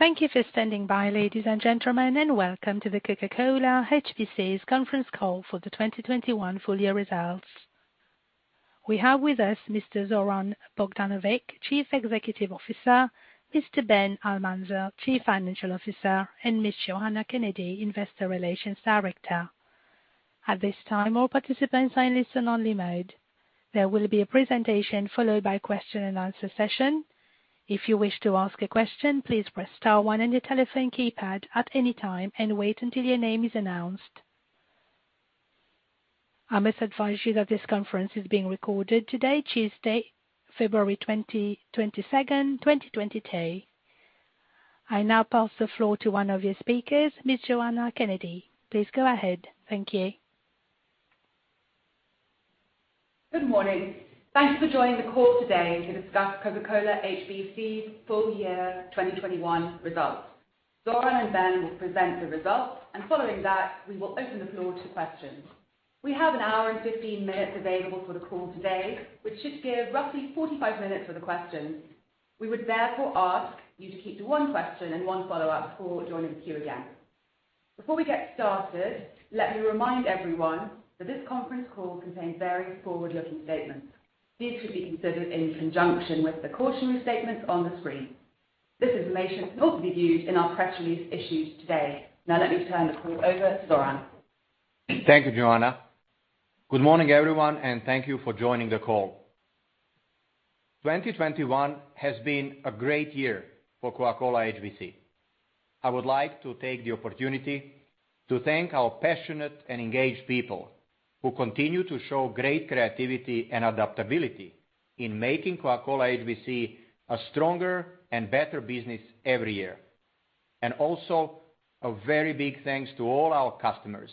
Thank you for standing by, ladies and gentlemen, and welcome to the Coca-Cola HBC's conference call for the 2021 full year results. We have with us Mr. Zoran Bogdanović, Chief Executive Officer, Mr. Ben Almanzar, Chief Financial Officer, and Miss Joanna Kennedy, Investor Relations Director. At this time, all participants are in listen only mode. There will be a presentation followed by question and answer session. If you wish to ask a question, please press star one on your telephone keypad at any time and wait until your name is announced. I must advise you that this conference is being recorded today, Tuesday, February 22, 2022. I now pass the floor to one of your speakers, Miss Joanna Kennedy. Please go ahead. Thank you. Good morning. Thanks for joining the call today to discuss Coca-Cola HBC full year 2021 results. Zoran and Ben will present the results, and following that, we will open the floor to questions. We have an hour and 15 minutes available for the call today, which should give roughly 45 minutes for the questions. We would therefore ask you to keep to one question and one follow-up before joining the queue again. Before we get started, let me remind everyone that this conference call contains various forward-looking statements. These should be considered in conjunction with the cautionary statements on the screen. This information can also be viewed in our press release issued today. Now, let me turn the call over to Zoran. Thank you, Joanna. Good morning, everyone, and thank you for joining the call. 2021 has been a great year for Coca-Cola HBC. I would like to take the opportunity to thank our passionate and engaged people who continue to show great creativity and adaptability in making Coca-Cola HBC a stronger and better business every year. Also a very big thanks to all our customers,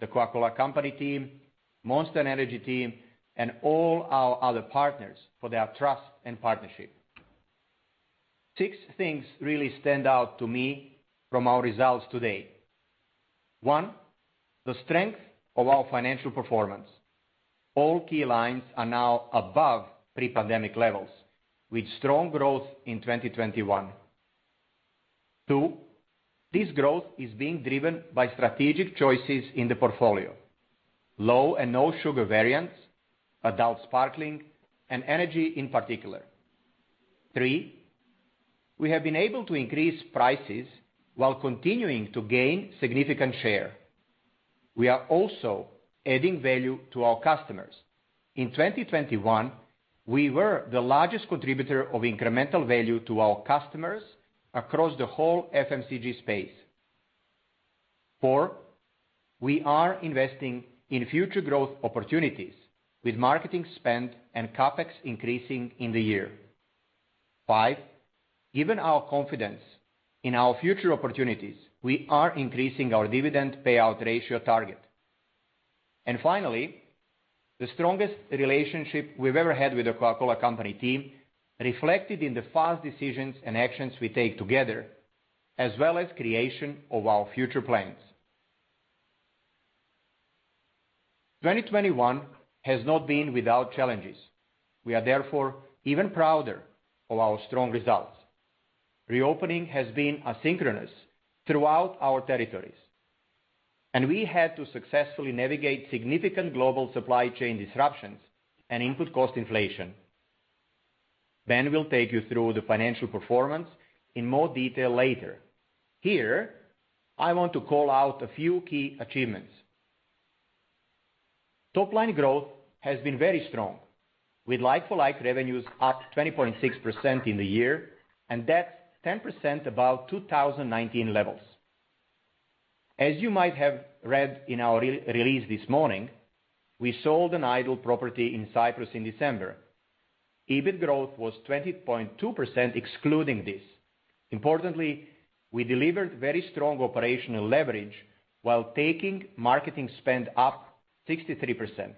The Coca-Cola Company team, Monster Energy team, and all our other partners for their trust and partnership. Six things really stand out to me from our results today. One, the strength of our financial performance. All key lines are now above pre-pandemic levels, with strong growth in 2021. Two, this growth is being driven by strategic choices in the portfolio. Low and no sugar variants, adult sparkling and energy in particular. Three, we have been able to increase prices while continuing to gain significant share. We are also adding value to our customers. In 2021, we were the largest contributor of incremental value to our customers across the whole FMCG space. Four, we are investing in future growth opportunities with marketing spend and CapEx increasing in the year. Five, given our confidence in our future opportunities, we are increasing our dividend payout ratio target. Finally, the strongest relationship we've ever had with The Coca-Cola Company team reflected in the fast decisions and actions we take together, as well as creation of our future plans. 2021 has not been without challenges. We are therefore even prouder of our strong results. Reopening has been asynchronous throughout our territories, and we had to successfully navigate significant global supply chain disruptions and input cost inflation. Ben will take you through the financial performance in more detail later. Here, I want to call out a few key achievements. Top line growth has been very strong, with like for like revenues up 20.6% in the year and that's 10% above 2019 levels. As you might have read in our press release this morning, we sold an idle property in Cyprus in December. EBIT growth was 20.2% excluding this. Importantly, we delivered very strong operational leverage while taking marketing spend up 63%.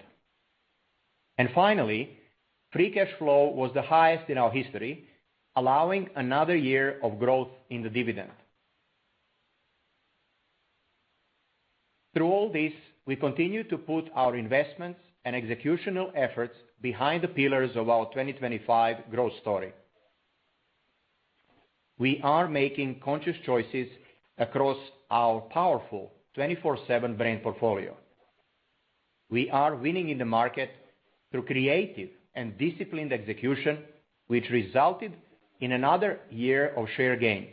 Finally, free cash flow was the highest in our history, allowing another year of growth in the dividend. Through all this, we continue to put our investments and executional efforts behind the pillars of our 2025 growth story. We are making conscious choices across our powerful 24/7 brand portfolio. We are winning in the market through creative and disciplined execution, which resulted in another year of share gains.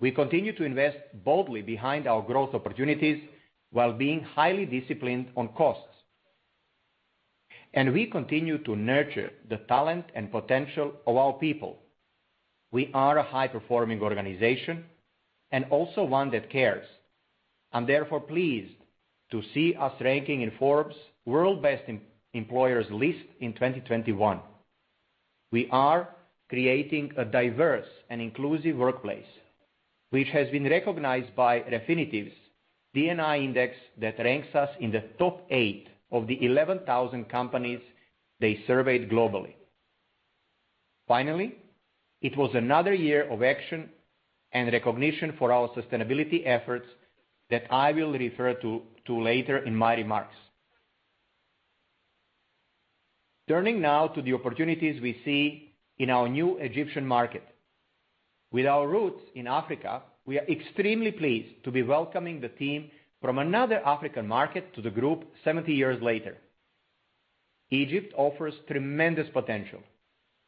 We continue to invest boldly behind our growth opportunities while being highly disciplined on costs. We continue to nurture the talent and potential of our people. We are a high-performing organization and also one that cares. I'm therefore pleased to see us ranking in Forbes' World's Best Employers list in 2021. We are creating a diverse and inclusive workplace, which has been recognized by Refinitiv's D&I index that ranks us in the top eight of the 11,000 companies they surveyed globally. Finally, it was another year of action and recognition for our sustainability efforts that I will refer to later in my remarks. Turning now to the opportunities we see in our new Egyptian market. With our roots in Africa, we are extremely pleased to be welcoming the team from another African market to the group 70 years later. Egypt offers tremendous potential,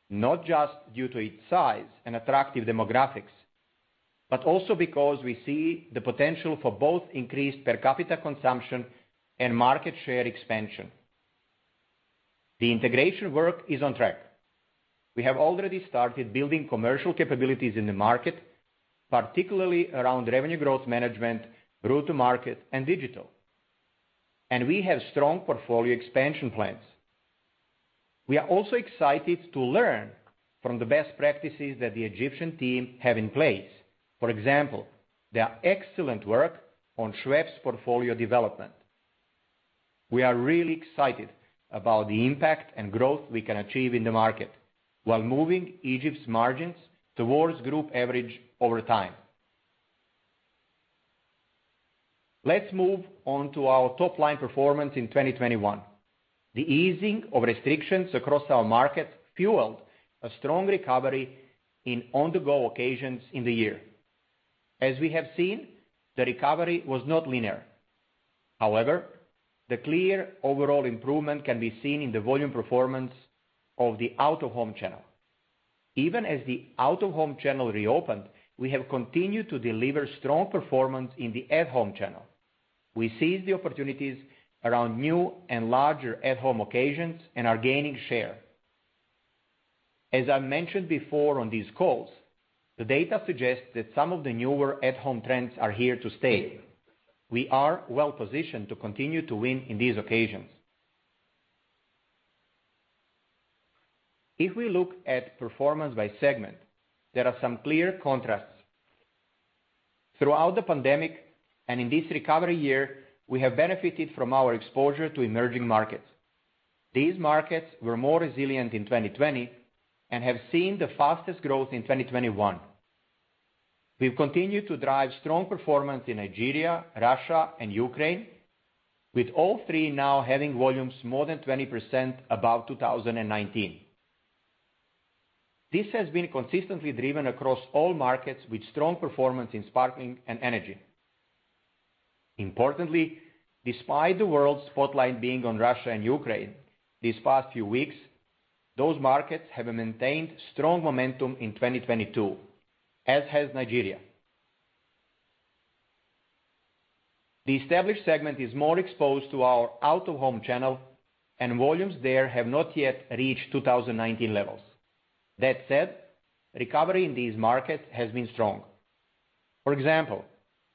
not just due to its size and attractive demographics, but also because we see the potential for both increased per capita consumption and market share expansion. The integration work is on track. We have already started building commercial capabilities in the market, particularly around revenue growth management, route to market, and digital. We have strong portfolio expansion plans. We are also excited to learn from the best practices that the Egyptian team have in place. For example, their excellent work on Schweppes portfolio development. We are really excited about the impact and growth we can achieve in the market while moving Egypt's margins towards group average over time. Let's move on to our top line performance in 2021. The easing of restrictions across our market fueled a strong recovery in on-the-go occasions in the year. As we have seen, the recovery was not linear. However, the clear overall improvement can be seen in the volume performance of the out-of-home channel. Even as the out-of-home channel reopened, we have continued to deliver strong performance in the at-home channel. We seize the opportunities around new and larger at-home occasions and are gaining share. As I mentioned before on these calls, the data suggests that some of the newer at-home trends are here to stay. We are well positioned to continue to win in these occasions. If we look at performance by segment, there are some clear contrasts. Throughout the pandemic, and in this recovery year, we have benefited from our exposure to emerging markets. These markets were more resilient in 2020 and have seen the fastest growth in 2021. We've continued to drive strong performance in Nigeria, Russia, and Ukraine, with all three now having volumes more than 20% above 2019. This has been consistently driven across all markets with strong performance in sparkling and energy. Importantly, despite the world spotlight being on Russia and Ukraine these past few weeks, those markets have maintained strong momentum in 2022, as has Nigeria. The established segment is more exposed to our out-of-home channel and volumes there have not yet reached 2019 levels. That said, recovery in these markets has been strong. For example,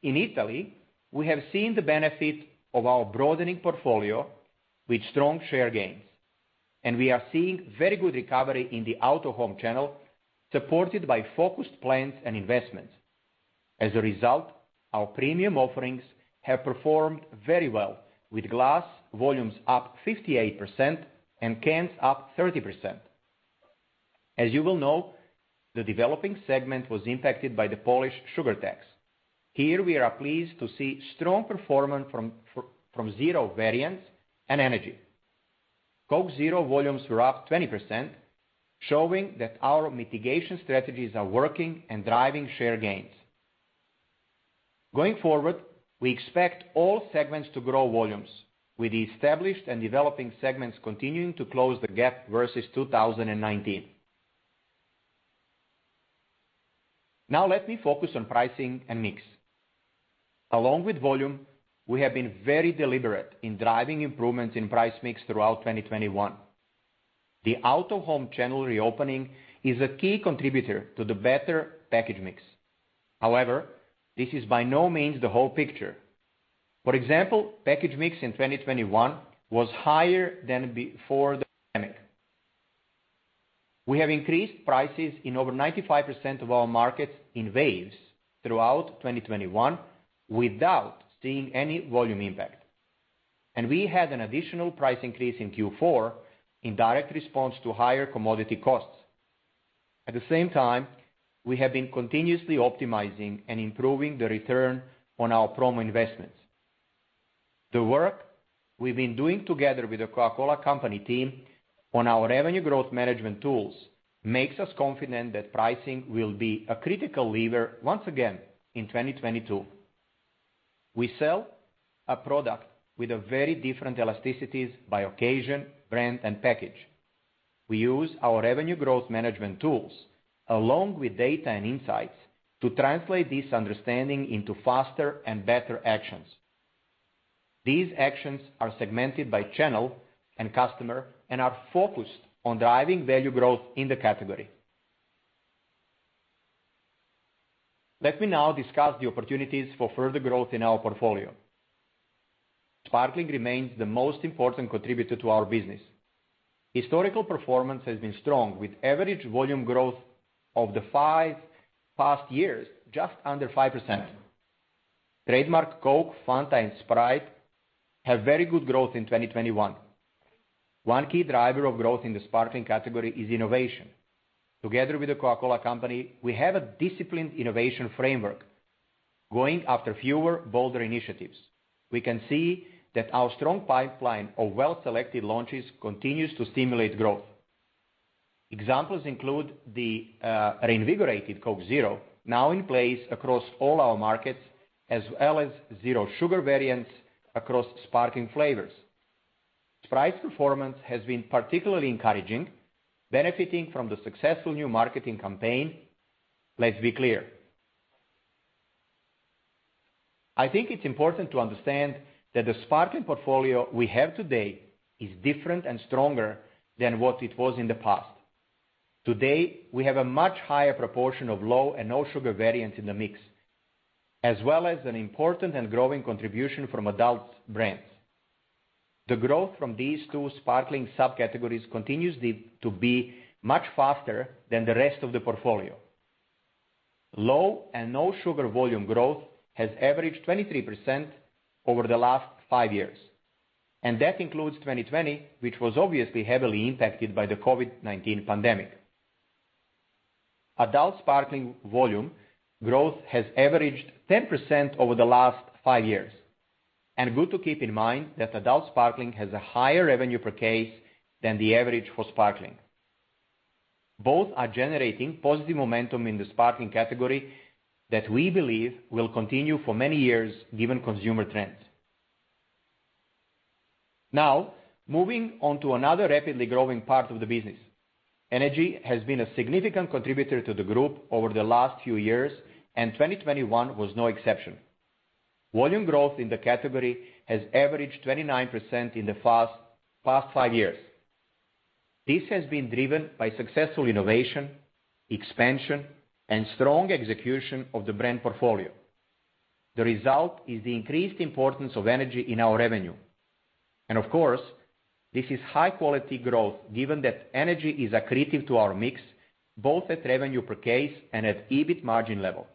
in Italy, we have seen the benefit of our broadening portfolio with strong share gains, and we are seeing very good recovery in the out-of-home channel, supported by focused plans and investments. As a result, our premium offerings have performed very well with glass volumes up 58% and cans up 30%. As you will know, the developing segment was impacted by the Polish sugar tax. Here we are pleased to see strong performance from Zero variants and energy. Coke Zero volumes were up 20%, showing that our mitigation strategies are working and driving share gains. Going forward, we expect all segments to grow volumes with the established and developing segments continuing to close the gap versus 2019. Now let me focus on pricing and mix. Along with volume, we have been very deliberate in driving improvements in price mix throughout 2021. The out-of-home channel reopening is a key contributor to the better package mix. However, this is by no means the whole picture. For example, package mix in 2021 was higher than before the pandemic. We have increased prices in over 95% of our markets in waves throughout 2021 without seeing any volume impact. We had an additional price increase in Q4 in direct response to higher commodity costs. At the same time, we have been continuously optimizing and improving the return on our promo investments. The work we've been doing together with The Coca-Cola Company team on our revenue growth management tools makes us confident that pricing will be a critical lever once again in 2022. We sell a product with a very different elasticities by occasion, brand, and package. We use our revenue growth management tools along with data and insights to translate this understanding into faster and better actions. These actions are segmented by channel and customer and are focused on driving value growth in the category. Let me now discuss the opportunities for further growth in our portfolio. Sparkling remains the most important contributor to our business. Historical performance has been strong with average volume growth over the past five years, just under 5%. Trademark Coke, Fanta, and Sprite have very good growth in 2021. One key driver of growth in the sparkling category is innovation. Together with The Coca-Cola Company, we have a disciplined innovation framework going after fewer bolder initiatives. We can see that our strong pipeline of well-selected launches continues to stimulate growth. Examples include the reinvigorated Coke Zero now in place across all our markets, as well as zero sugar variants across sparkling flavors. Sprite's performance has been particularly encouraging, benefiting from the successful new marketing campaign, Let's Be Clear. I think it's important to understand that the sparkling portfolio we have today is different and stronger than what it was in the past. Today, we have a much higher proportion of low and no sugar variants in the mix, as well as an important and growing contribution from adult brands. The growth from these two sparkling subcategories continues to be much faster than the rest of the portfolio. Low and no sugar volume growth has averaged 23% over the last five years, and that includes 2020, which was obviously heavily impacted by the COVID-19 pandemic. Adult sparkling volume growth has averaged 10% over the last five years, and good to keep in mind that adult sparkling has a higher revenue per case than the average for sparkling. Both are generating positive momentum in the sparkling category that we believe will continue for many years given consumer trends. Now, moving on to another rapidly growing part of the business. Energy has been a significant contributor to the group over the last few years, and 2021 was no exception. Volume growth in the category has averaged 29% in the past five years. This has been driven by successful innovation, expansion, and strong execution of the brand portfolio. The result is the increased importance of energy in our revenue. Of course, this is high quality growth given that energy is accretive to our mix, both at revenue per case and at EBIT margin level.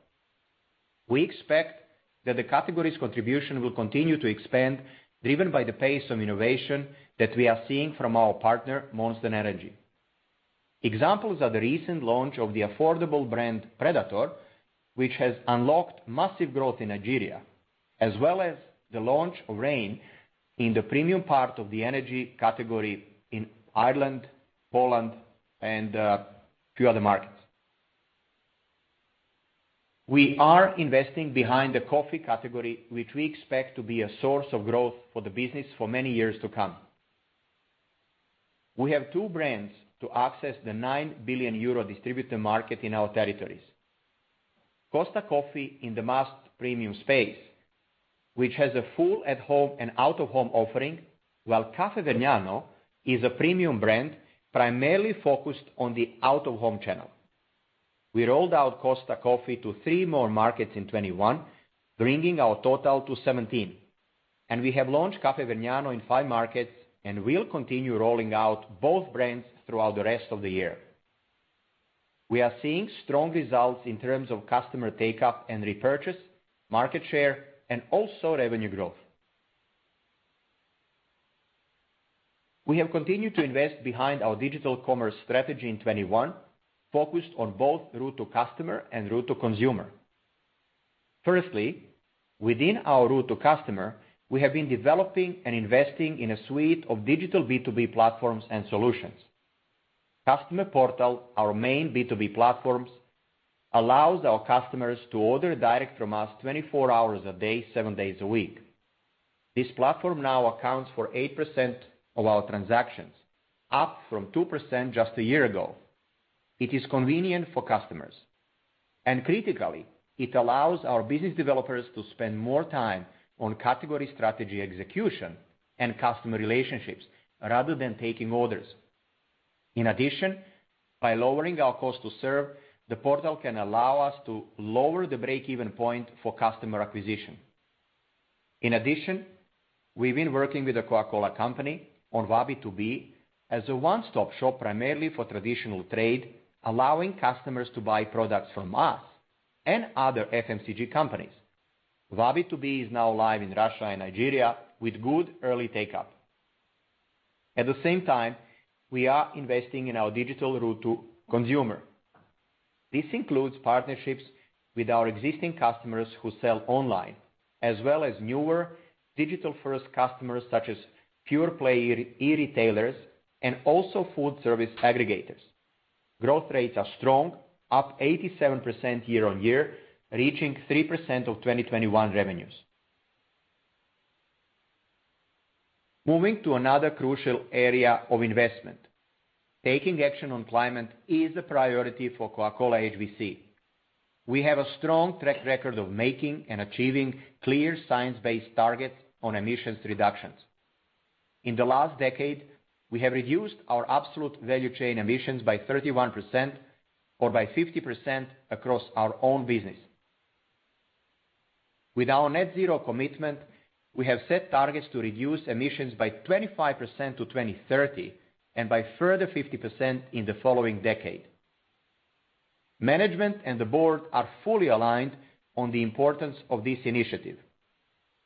We expect that the category's contribution will continue to expand, driven by the pace of innovation that we are seeing from our partner, Monster Energy. Examples are the recent launch of the affordable brand Predator, which has unlocked massive growth in Nigeria, as well as the launch of Reign in the premium part of the energy category in Ireland, Poland and few other markets. We are investing behind the coffee category, which we expect to be a source of growth for the business for many years to come. We have two brands to access the 9 billion euro distributor market in our territories. Costa Coffee in the mass premium space, which has a full at home and out of home offering, while Caffè Vergnano is a premium brand primarily focused on the out of home channel. We rolled out Costa Coffee to three more markets in 2021, bringing our total to 17, and we have launched Caffè Vergnano in five markets and will continue rolling out both brands throughout the rest of the year. We are seeing strong results in terms of customer take-up and repurchase, market share, and also revenue growth. We have continued to invest behind our digital commerce strategy in 2021, focused on both route to customer and route to consumer. Firstly, within our route to customer, we have been developing and investing in a suite of digital B2B platforms and solutions. Customer Portal, our main B2B platform, allows our customers to order direct from us 24 hours a day, seven days a week. This platform now accounts for 8% of our transactions, up from 2% just a year ago. It is convenient for customers. Critically, it allows our business developers to spend more time on category strategy execution and customer relationships rather than taking orders. In addition, by lowering our cost to serve, the portal can allow us to lower the break-even point for customer acquisition. In addition, we've been working with The Coca-Cola Company on Wabi2B as a one-stop shop primarily for traditional trade, allowing customers to buy products from us and other FMCG companies. Wabi2B is now live in Russia and Nigeria with good early take-up. At the same time, we are investing in our digital route to consumer. This includes partnerships with our existing customers who sell online, as well as newer digital-first customers such as pure player e-retailers and also food service aggregators. Growth rates are strong, up 87% year-on-year, reaching 3% of 2021 revenues. Moving to another crucial area of investment. Taking action on climate is a priority for Coca-Cola HBC. We have a strong track record of making and achieving clear science-based targets on emissions reductions. In the last decade, we have reduced our absolute value chain emissions by 31% or by 50% across our own business. With our net zero commitment, we have set targets to reduce emissions by 25% to 2030 and by a further 50% in the following decade. Management and the board are fully aligned on the importance of this initiative.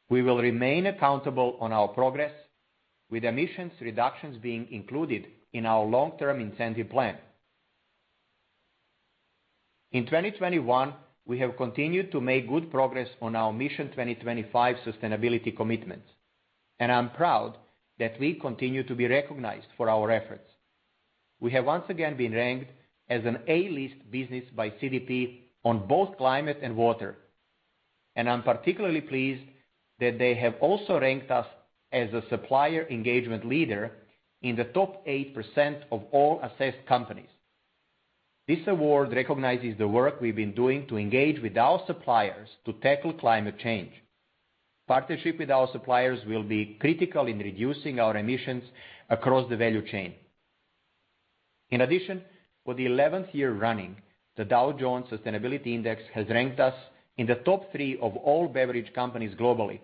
We will remain accountable on our progress with emissions reductions being included in our long-term incentive plan. In 2021, we have continued to make good progress on our Mission 2025 sustainability commitments, and I'm proud that we continue to be recognized for our efforts. We have once again been ranked as an A-list business by CDP on both climate and water. I'm particularly pleased that they have also ranked us as a supplier engagement leader in the top 8% of all assessed companies. This award recognizes the work we've been doing to engage with our suppliers to tackle climate change. Partnership with our suppliers will be critical in reducing our emissions across the value chain. In addition, for the eleventh year running, the Dow Jones Sustainability Index has ranked us in the top three of all beverage companies globally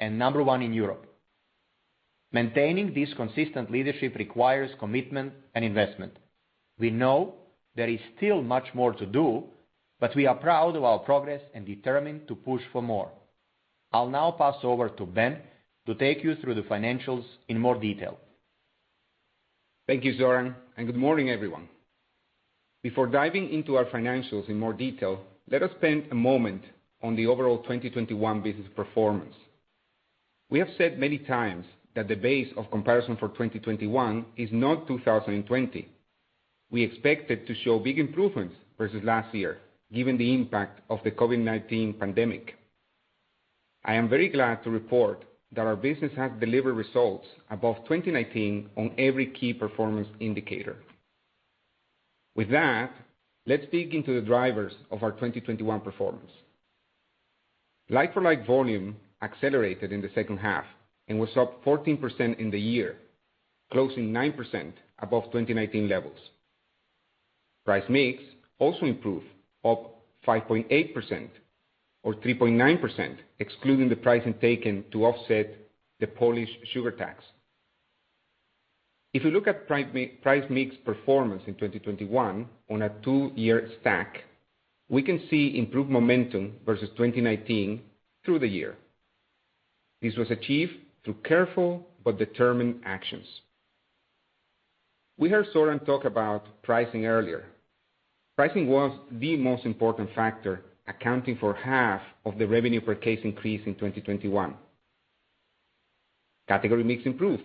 and number one in Europe. Maintaining this consistent leadership requires commitment and investment. We know there is still much more to do, but we are proud of our progress and determined to push for more. I'll now pass over to Ben to take you through the financials in more detail. Thank you, Zoran, and good morning, everyone. Before diving into our financials in more detail, let us spend a moment on the overall 2021 business performance. We have said many times that the base of comparison for 2021 is not 2020. We expected to show big improvements versus last year, given the impact of the COVID-19 pandemic. I am very glad to report that our business has delivered results above 2019 on every key performance indicator. With that, let's dig into the drivers of our 2021 performance. Like-for-like volume accelerated in the second half and was up 14% in the year, closing 9% above 2019 levels. Price mix also improved, up 5.8% or 3.9%, excluding the pricing taken to offset the Polish sugar tax. If you look at price mix performance in 2021 on a 2-year stack, we can see improved momentum versus 2019 through the year. This was achieved through careful but determined actions. We heard Zoran talk about pricing earlier. Pricing was the most important factor, accounting for half of the revenue per case increase in 2021. Category mix improved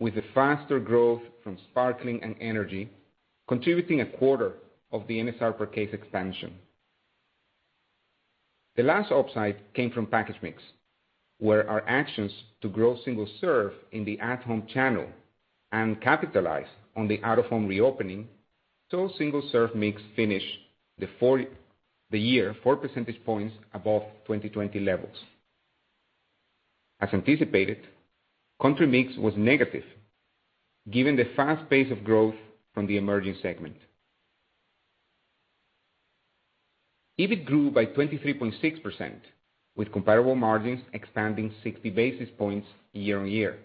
with a faster growth from sparkling and energy, contributing a quarter of the NSR per case expansion. The last upside came from package mix, where our actions to grow single serve in the at-home channel and capitalize on the out-of-home reopening saw single serve mix finish the year 4 percentage points above 2020 levels. As anticipated, country mix was negative given the fast pace of growth from the emerging segment. EBIT grew by 23.6%, with comparable margins expanding 60 basis points year-over-year.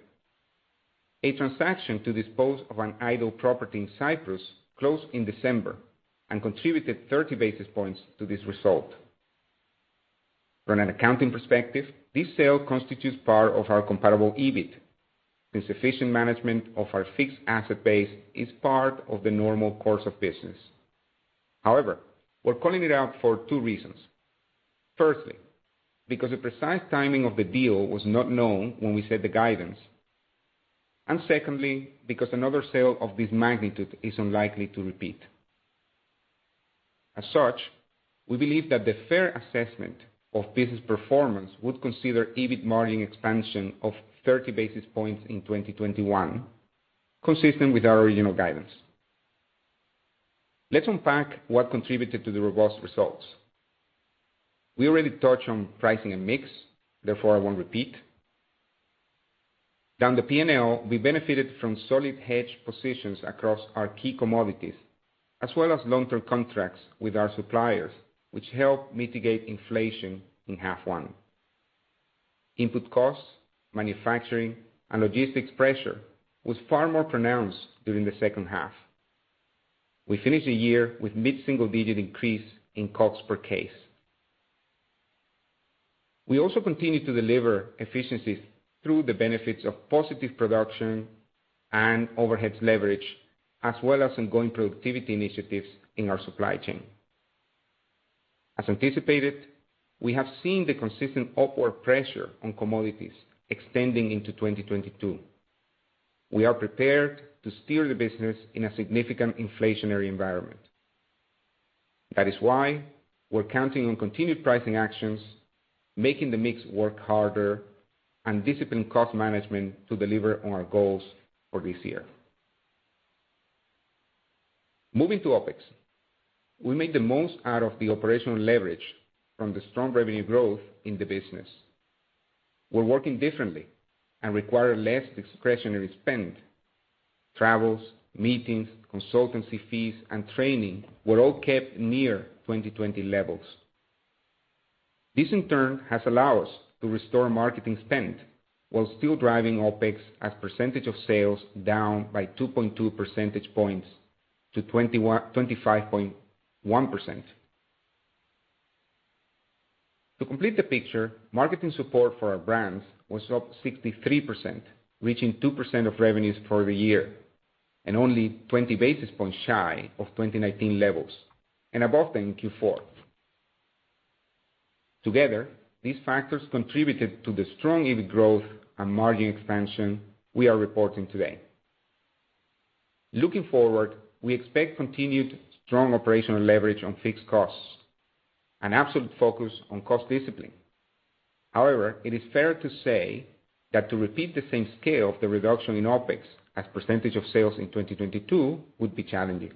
A transaction to dispose of an idle property in Cyprus closed in December and contributed 30 basis points to this result. From an accounting perspective, this sale constitutes part of our comparable EBIT, and sufficient management of our fixed asset base is part of the normal course of business. However, we're calling it out for two reasons. Firstly, because the precise timing of the deal was not known when we set the guidance. Secondly, because another sale of this magnitude is unlikely to repeat. As such, we believe that the fair assessment of business performance would consider EBIT margin expansion of 30 basis points in 2021, consistent with our original guidance. Let's unpack what contributed to the robust results. We already touched on pricing and mix, therefore I won't repeat. Down the P&L, we benefited from solid hedge positions across our key commodities, as well as long-term contracts with our suppliers, which helped mitigate inflation in half one. Input costs, manufacturing, and logistics pressure was far more pronounced during the second half. We finished the year with mid-single-digit increase in costs per case. We also continued to deliver efficiencies through the benefits of positive production and overheads leverage, as well as ongoing productivity initiatives in our supply chain. As anticipated, we have seen the consistent upward pressure on commodities extending into 2022. We are prepared to steer the business in a significant inflationary environment. That is why we're counting on continued pricing actions, making the mix work harder, and disciplined cost management to deliver on our goals for this year. Moving to OpEx, we made the most out of the operational leverage from the strong revenue growth in the business. We're working differently and require less discretionary spend. Travels, meetings, consultancy fees, and training were all kept near 2020 levels. This in turn has allowed us to restore marketing spend while still driving OpEx as percentage of sales down by 2.2 percentage points to 25.1%. To complete the picture, marketing support for our brands was up 63%, reaching 2% of revenues for the year, and only 20 basis points shy of 2019 levels, and above them in Q4. Together, these factors contributed to the strong EBIT growth and margin expansion we are reporting today. Looking forward, we expect continued strong operational leverage on fixed costs, an absolute focus on cost discipline. However, it is fair to say that to repeat the same scale of the reduction in OpEx as percentage of sales in 2022 would be challenging.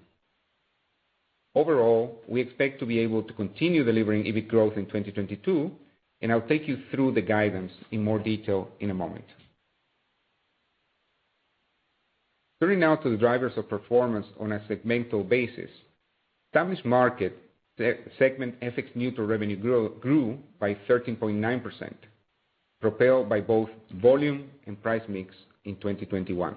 Overall, we expect to be able to continue delivering EBIT growth in 2022, and I'll take you through the guidance in more detail in a moment. Turning now to the drivers of performance on a segmental basis. Established market segment FX neutral revenue grew by 13.9%, propelled by both volume and price mix in 2021.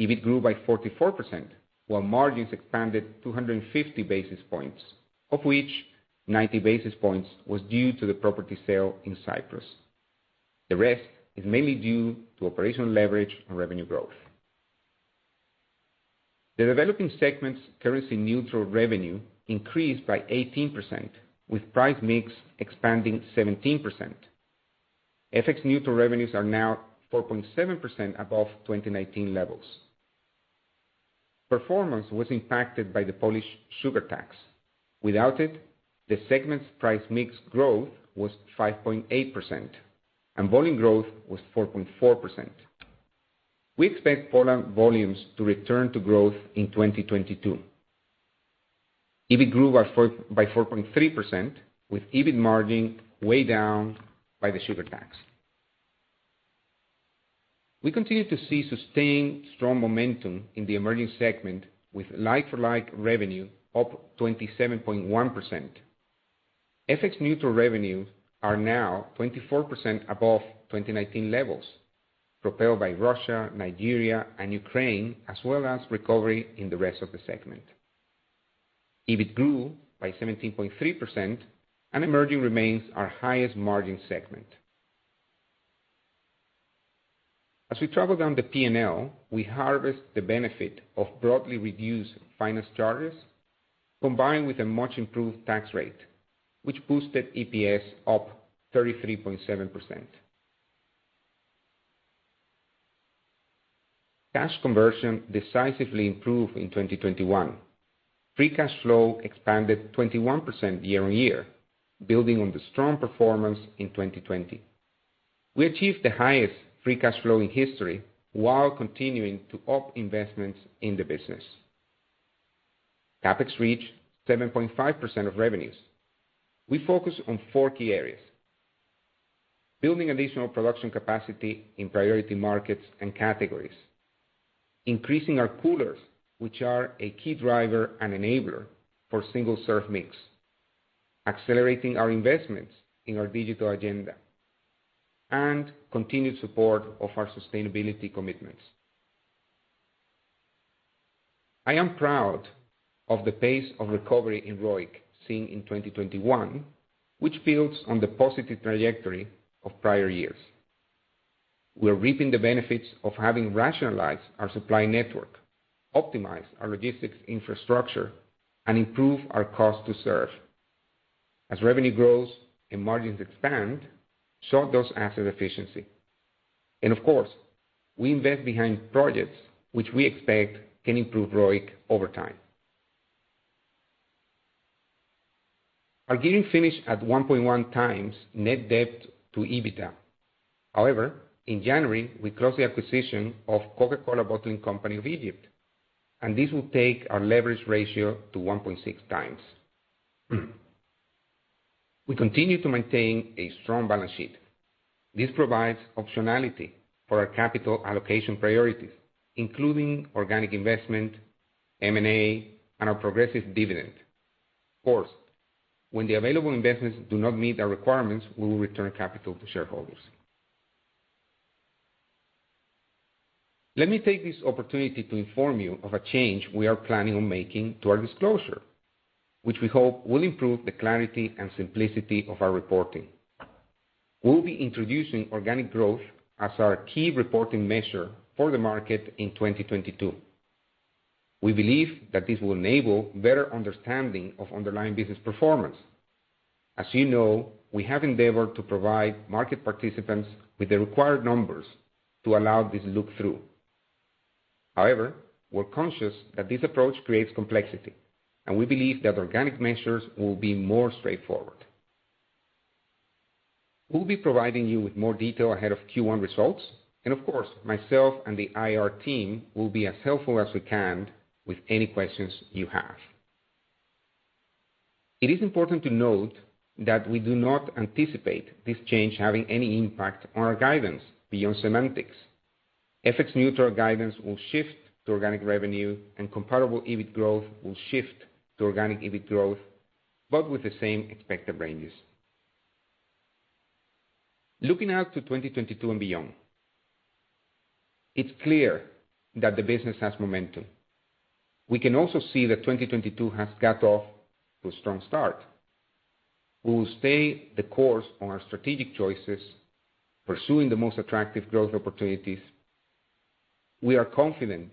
EBIT grew by 44%, while margins expanded 250 basis points, of which 90 basis points was due to the property sale in Cyprus. The rest is mainly due to operational leverage and revenue growth. The developing segment's currency neutral revenue increased by 18%, with price mix expanding 17%. FX neutral revenues are now 4.7% above 2019 levels. Performance was impacted by the Polish sugar tax. Without it, the segment's price mix growth was 5.8%, and volume growth was 4.4%. We expect Poland volumes to return to growth in 2022. EBIT grew by 4.3% with EBIT margin weighed down by the sugar tax. We continue to see sustained strong momentum in the emerging segment with like-for-like revenue up 27.1%. FX neutral revenues are now 24% above 2019 levels, propelled by Russia, Nigeria, and Ukraine, as well as recovery in the rest of the segment. EBIT grew by 17.3% and emerging remains our highest margin segment. As we travel down the P&L, we harvest the benefit of broadly reduced finance charges, combined with a much improved tax rate, which boosted EPS up 33.7%. Cash conversion decisively improved in 2021. Free cash flow expanded 21% year-on-year, building on the strong performance in 2020. We achieved the highest free cash flow in history while continuing to up investments in the business. CapEx reached 7.5% of revenues. We focus on four key areas, building additional production capacity in priority markets and categories, increasing our coolers, which are a key driver and enabler for single-serve mix, accelerating our investments in our digital agenda, and continued support of our sustainability commitments. I am proud of the pace of recovery in ROIC seen in 2021, which builds on the positive trajectory of prior years. We're reaping the benefits of having rationalized our supply network, optimized our logistics infrastructure, and improved our cost to serve. As revenue grows and margins expand, so does asset efficiency. Of course, we invest behind projects which we expect can improve ROIC over time. Our gearing finished at 1.1x net debt to EBITDA. However, in January, we closed the acquisition of Coca-Cola Bottling Company of Egypt, and this will take our leverage ratio to 1.6x. We continue to maintain a strong balance sheet. This provides optionality for our capital allocation priorities, including organic investment, M&A, and our progressive dividend. Of course, when the available investments do not meet our requirements, we will return capital to shareholders. Let me take this opportunity to inform you of a change we are planning on making to our disclosure, which we hope will improve the clarity and simplicity of our reporting. We'll be introducing organic growth as our key reporting measure for the market in 2022. We believe that this will enable better understanding of underlying business performance. As you know, we have endeavored to provide market participants with the required numbers to allow this look through. However, we're conscious that this approach creates complexity, and we believe that organic measures will be more straightforward. We'll be providing you with more detail ahead of Q1 results, and of course, myself and the IR team will be as helpful as we can with any questions you have. It is important to note that we do not anticipate this change having any impact on our guidance beyond semantics. FX neutral guidance will shift to organic revenue and comparable EBIT growth will shift to organic EBIT growth, but with the same expected ranges. Looking out to 2022 and beyond, it's clear that the business has momentum. We can also see that 2022 has got off to a strong start. We will stay the course on our strategic choices, pursuing the most attractive growth opportunities. We are confident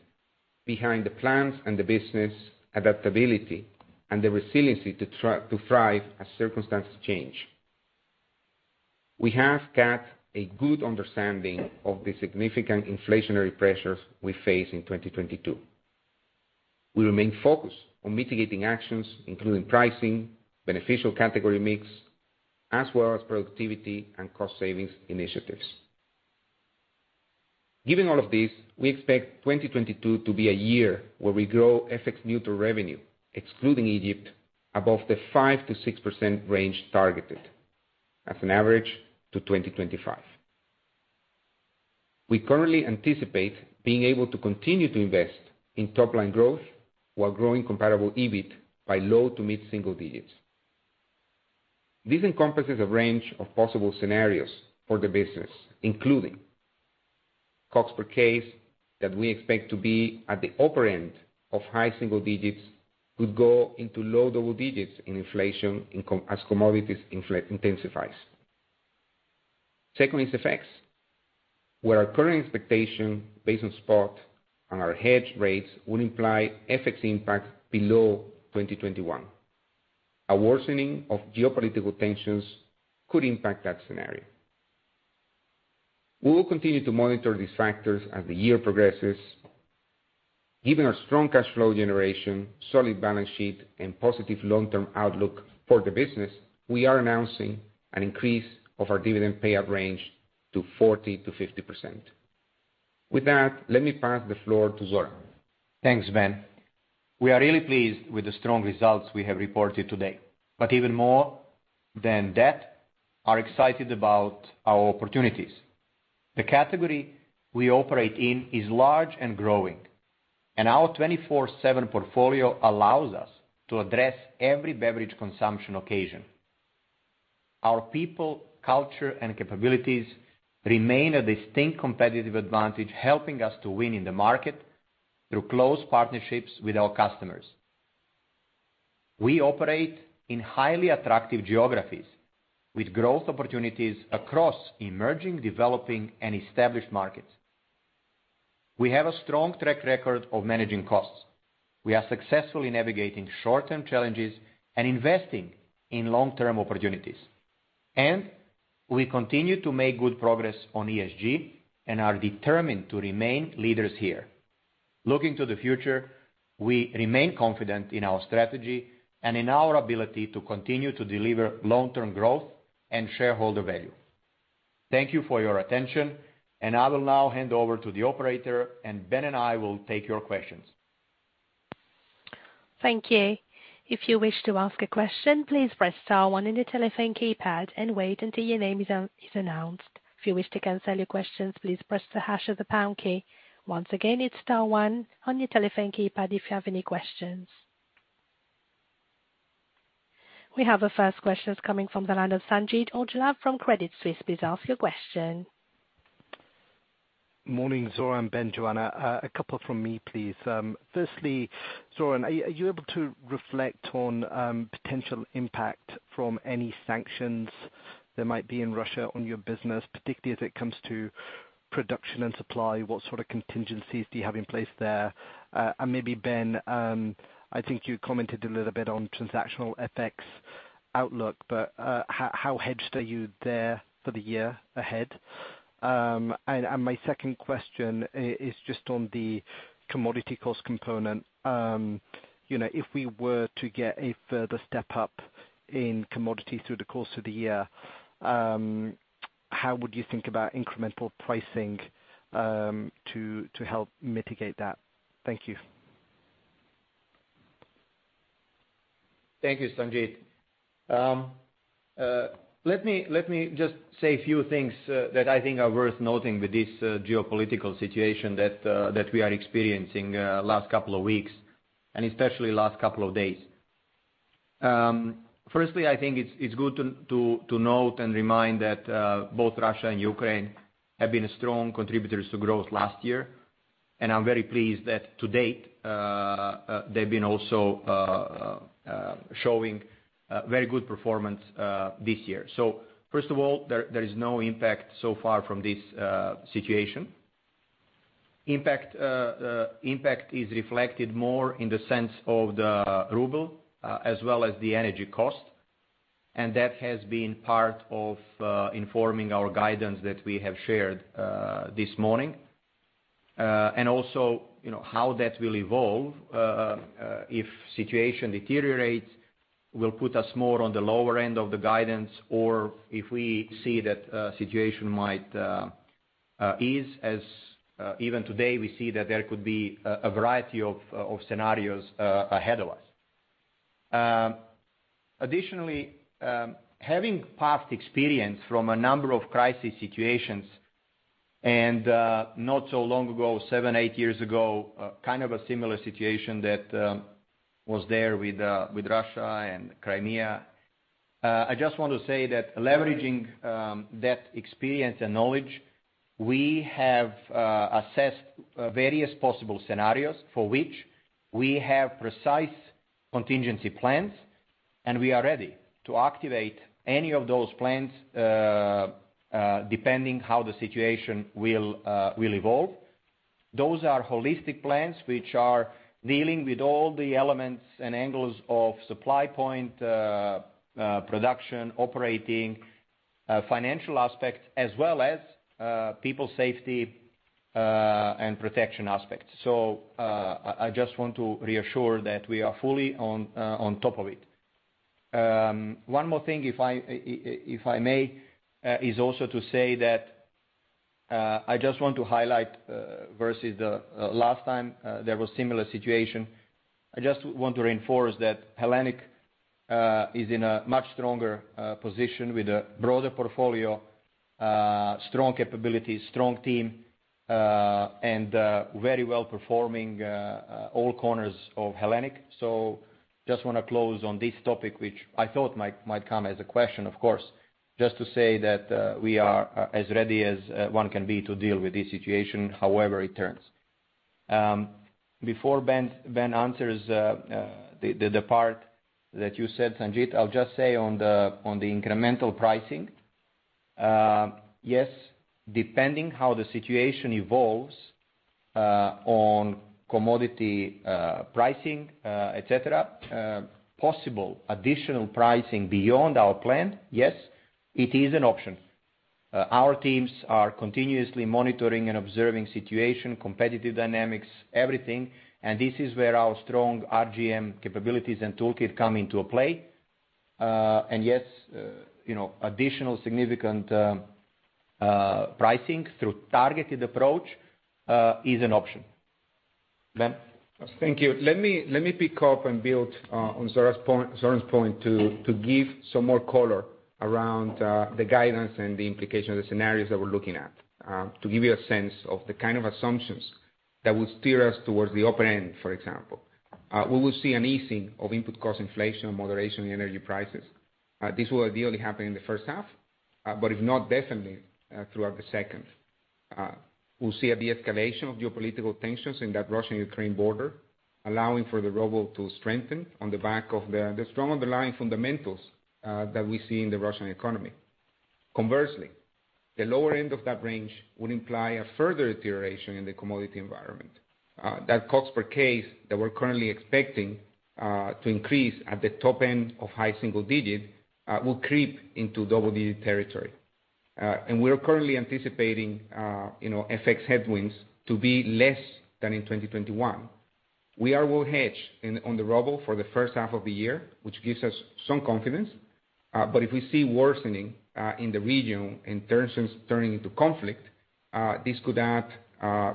behind the plans and the business adaptability and the resiliency to thrive as circumstances change. We have got a good understanding of the significant inflationary pressures we face in 2022. We remain focused on mitigating actions, including pricing, beneficial category mix, as well as productivity and cost savings initiatives. Given all of this, we expect 2022 to be a year where we grow FX-neutral revenue, excluding Egypt, above the 5%-6% range targeted as an average to 2025. We currently anticipate being able to continue to invest in top line growth while growing comparable EBIT by low- to mid-single-digit. This encompasses a range of possible scenarios for the business, including COGS per case that we expect to be at the upper end of high single digits, could go into low double digits in inflation in commodities intensifies. Second is FX, where our current expectation based on spot and our hedge rates would imply FX impact below 2021. A worsening of geopolitical tensions could impact that scenario. We will continue to monitor these factors as the year progresses. Given our strong cash flow generation, solid balance sheet, and positive long-term outlook for the business, we are announcing an increase of our dividend payout range to 40%-50%. With that, let me pass the floor to Zoran. Thanks, Ben. We are really pleased with the strong results we have reported today, but even more than that, we are excited about our opportunities. The category we operate in is large and growing, and our 24/7 portfolio allows us to address every beverage consumption occasion. Our people, culture, and capabilities remain a distinct competitive advantage, helping us to win in the market through close partnerships with our customers. We operate in highly attractive geographies with growth opportunities across emerging, developing, and established markets. We have a strong track record of managing costs. We are successfully navigating short-term challenges and investing in long-term opportunities. We continue to make good progress on ESG and are determined to remain leaders here. Looking to the future, we remain confident in our strategy and in our ability to continue to deliver long-term growth and shareholder value. Thank you for your attention, and I will now hand over to the operator, and Ben and I will take your questions. Thank you. If you wish to ask a question, please press star one on your telephone keypad and wait until your name is announced. If you wish to cancel your questions, please press the hash or the pound key. Once again, it's star one on your telephone keypad if you have any questions. We have our first question. It's coming from the line of Sanjeet Aujla from Credit Suisse. Please ask your question. Morning, Zoran, Ben, Joanna, a couple from me, please. Firstly, Zoran, are you able to reflect on potential impact from any sanctions that might be in Russia on your business, particularly as it comes to production and supply? What sort of contingencies do you have in place there? Maybe Ben, I think you commented a little bit on transactional FX outlook, but how hedged are you there for the year ahead? My second question is just on the commodity cost component. You know, if we were to get a further step up in commodity through the course of the year, how would you think about incremental pricing to help mitigate that? Thank you. Thank you, Sanjeet. Let me just say a few things that I think are worth noting with this geopolitical situation that we are experiencing last couple of weeks, and especially last couple of days. Firstly, I think it's good to note and remind that both Russia and Ukraine have been strong contributors to growth last year, and I'm very pleased that to date they've been also showing very good performance this year. First of all, there is no impact so far from this situation. Impact is reflected more in the sense of the ruble, as well as the energy cost, and that has been part of informing our guidance that we have shared this morning. Also, you know, how that will evolve if situation deteriorates will put us more on the lower end of the guidance or if we see that situation might ease as even today we see that there could be a variety of scenarios ahead of us. Additionally, having past experience from a number of crisis situations and not so long ago, 7-8 years ago, kind of a similar situation that was there with Russia and Crimea. I just want to say that leveraging that experience and knowledge, we have assessed various possible scenarios for which we have precise contingency plans, and we are ready to activate any of those plans depending how the situation will evolve. Those are holistic plans which are dealing with all the elements and angles of supply point, production, operating, financial aspect, as well as, people safety, and protection aspects. I just want to reassure that we are fully on top of it. One more thing, if I may, is also to say that, I just want to highlight, versus the last time, there was similar situation. I just want to reinforce that Hellenic is in a much stronger position with a broader portfolio, strong capability, strong team, and very well performing all corners of Hellenic. Just want to close on this topic, which I thought might come as a question, of course, just to say that we are as ready as one can be to deal with this situation, however it turns. Before Ben answers the part that you said, Sanjit, I'll just say on the incremental pricing, yes, depending how the situation evolves on commodity pricing et cetera, possible additional pricing beyond our plan. Yes, it is an option. Our teams are continuously monitoring and observing situation, competitive dynamics, everything. This is where our strong RGM capabilities and toolkit come into play. Yes, you know, additional significant pricing through targeted approach is an option. Ben? Thank you. Let me pick up and build on Zoran's point to give some more color around the guidance and the implication of the scenarios that we're looking at to give you a sense of the kind of assumptions that would steer us towards the upper end, for example. We will see an easing of input cost inflation and moderation in energy prices. This will ideally happen in the first half, but if not, definitely throughout the second half. We'll see a de-escalation of geopolitical tensions in that Russia-Ukraine border, allowing for the ruble to strengthen on the back of the strong underlying fundamentals that we see in the Russian economy. Conversely, the lower end of that range would imply a further deterioration in the commodity environment. That COGS per case that we're currently expecting to increase at the top end of high single-digit will creep into double-digit territory. We are currently anticipating, you know, FX headwinds to be less than in 2021. We are well hedged on the ruble for the first half of the year, which gives us some confidence. If we see worsening in the region and tensions turning into conflict, this could add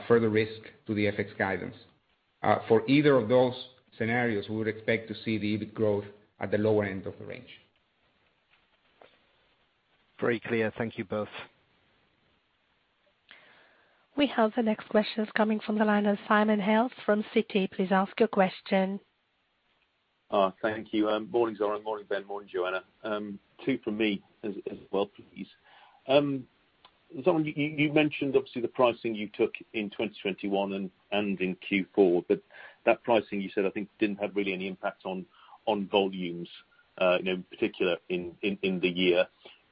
further risk to the FX guidance. For either of those scenarios, we would expect to see the EBIT growth at the lower end of the range. Very clear. Thank you both. We have the next questions coming from the line of Simon Hales from Citi. Please ask your question. Thank you. Morning, Zoran. Morning, Ben. Morning, Joanna. Two from me as well, please. Zoran, you mentioned obviously the pricing you took in 2021 and in Q4, but that pricing you said, I think, didn't have really any impact on volumes, in particular in the year.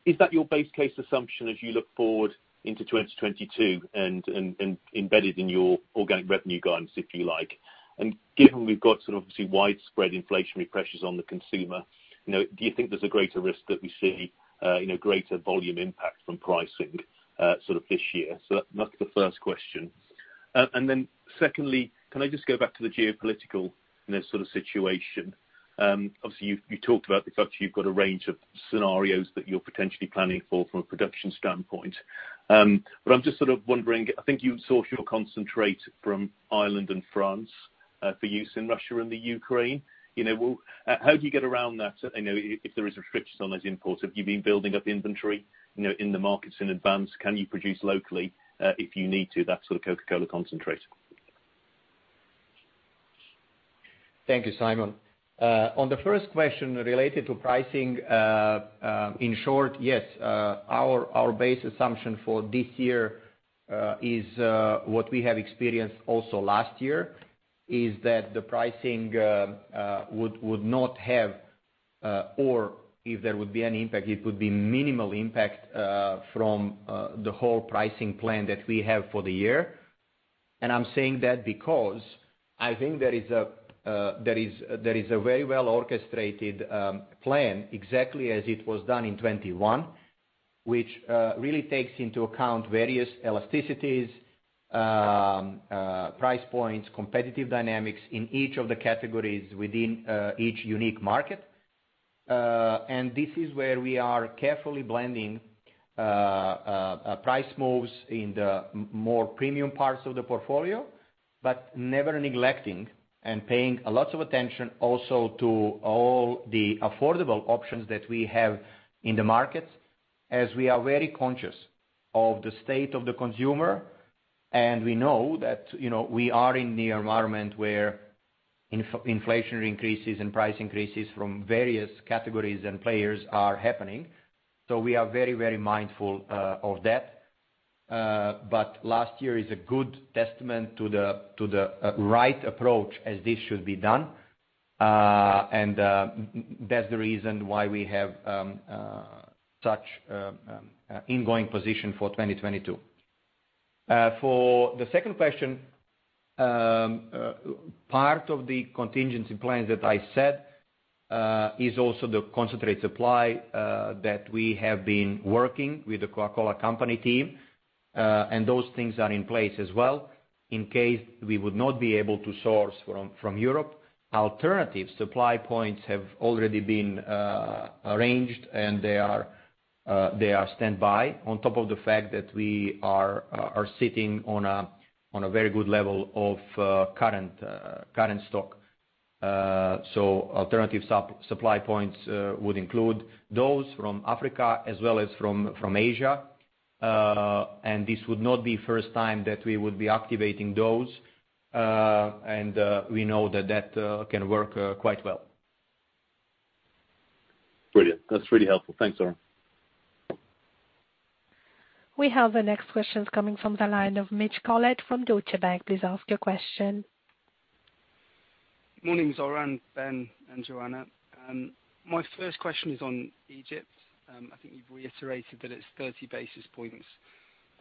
Is that your base case assumption as you look forward into 2022 and embedded in your organic revenue guidance, if you like? Given we've got sort of obviously widespread inflationary pressures on the consumer, you know, do you think there's a greater risk that we see, you know, greater volume impact from pricing, sort of this year? That's the first question. Then secondly, can I just go back to the geopolitical sort of situation? Obviously you talked about the fact you've got a range of scenarios that you're potentially planning for from a production standpoint. I'm just sort of wondering, I think you source your concentrate from Ireland and France for use in Russia and the Ukraine. You know, how do you get around that? I know if there is restrictions on those imports, have you been building up inventory, you know, in the markets in advance? Can you produce locally, if you need to, that sort of Coca-Cola concentrate? Thank you, Simon. On the first question related to pricing, in short, yes, our base assumption for this year is what we have experienced also last year, is that the pricing would not have, or if there would be any impact, it would be minimal impact from the whole pricing plan that we have for the year. I'm saying that because I think there is a very well orchestrated plan exactly as it was done in 2021, which really takes into account various elasticities, price points, competitive dynamics in each of the categories within each unique market. This is where we are carefully blending price moves in the more premium parts of the portfolio, but never neglecting and paying a lot of attention also to all the affordable options that we have in the market, as we are very conscious of the state of the consumer, and we know that, you know, we are in the environment where inflation increases and price increases from various categories and players are happening. We are very, very mindful of that. Last year is a good testament to the right approach as this should be done. That's the reason why we have such a going-in position for 2022. For the second question, part of the contingency plans that I said is also the concentrate supply that we have been working with the Coca-Cola Company team, and those things are in place as well. In case we would not be able to source from Europe, alternative supply points have already been arranged, and they are on standby on top of the fact that we are sitting on a very good level of current stock. Alternative supply points would include those from Africa as well as from Asia. This would not be first time that we would be activating those, and we know that can work quite well. Brilliant. That's really helpful. Thanks, Zoran. We have the next questions coming from the line of Mitch Collett from Deutsche Bank. Please ask your question. Morning, Zoran, Ben, and Joanna. My first question is on Egypt. I think you've reiterated that it's 30 basis points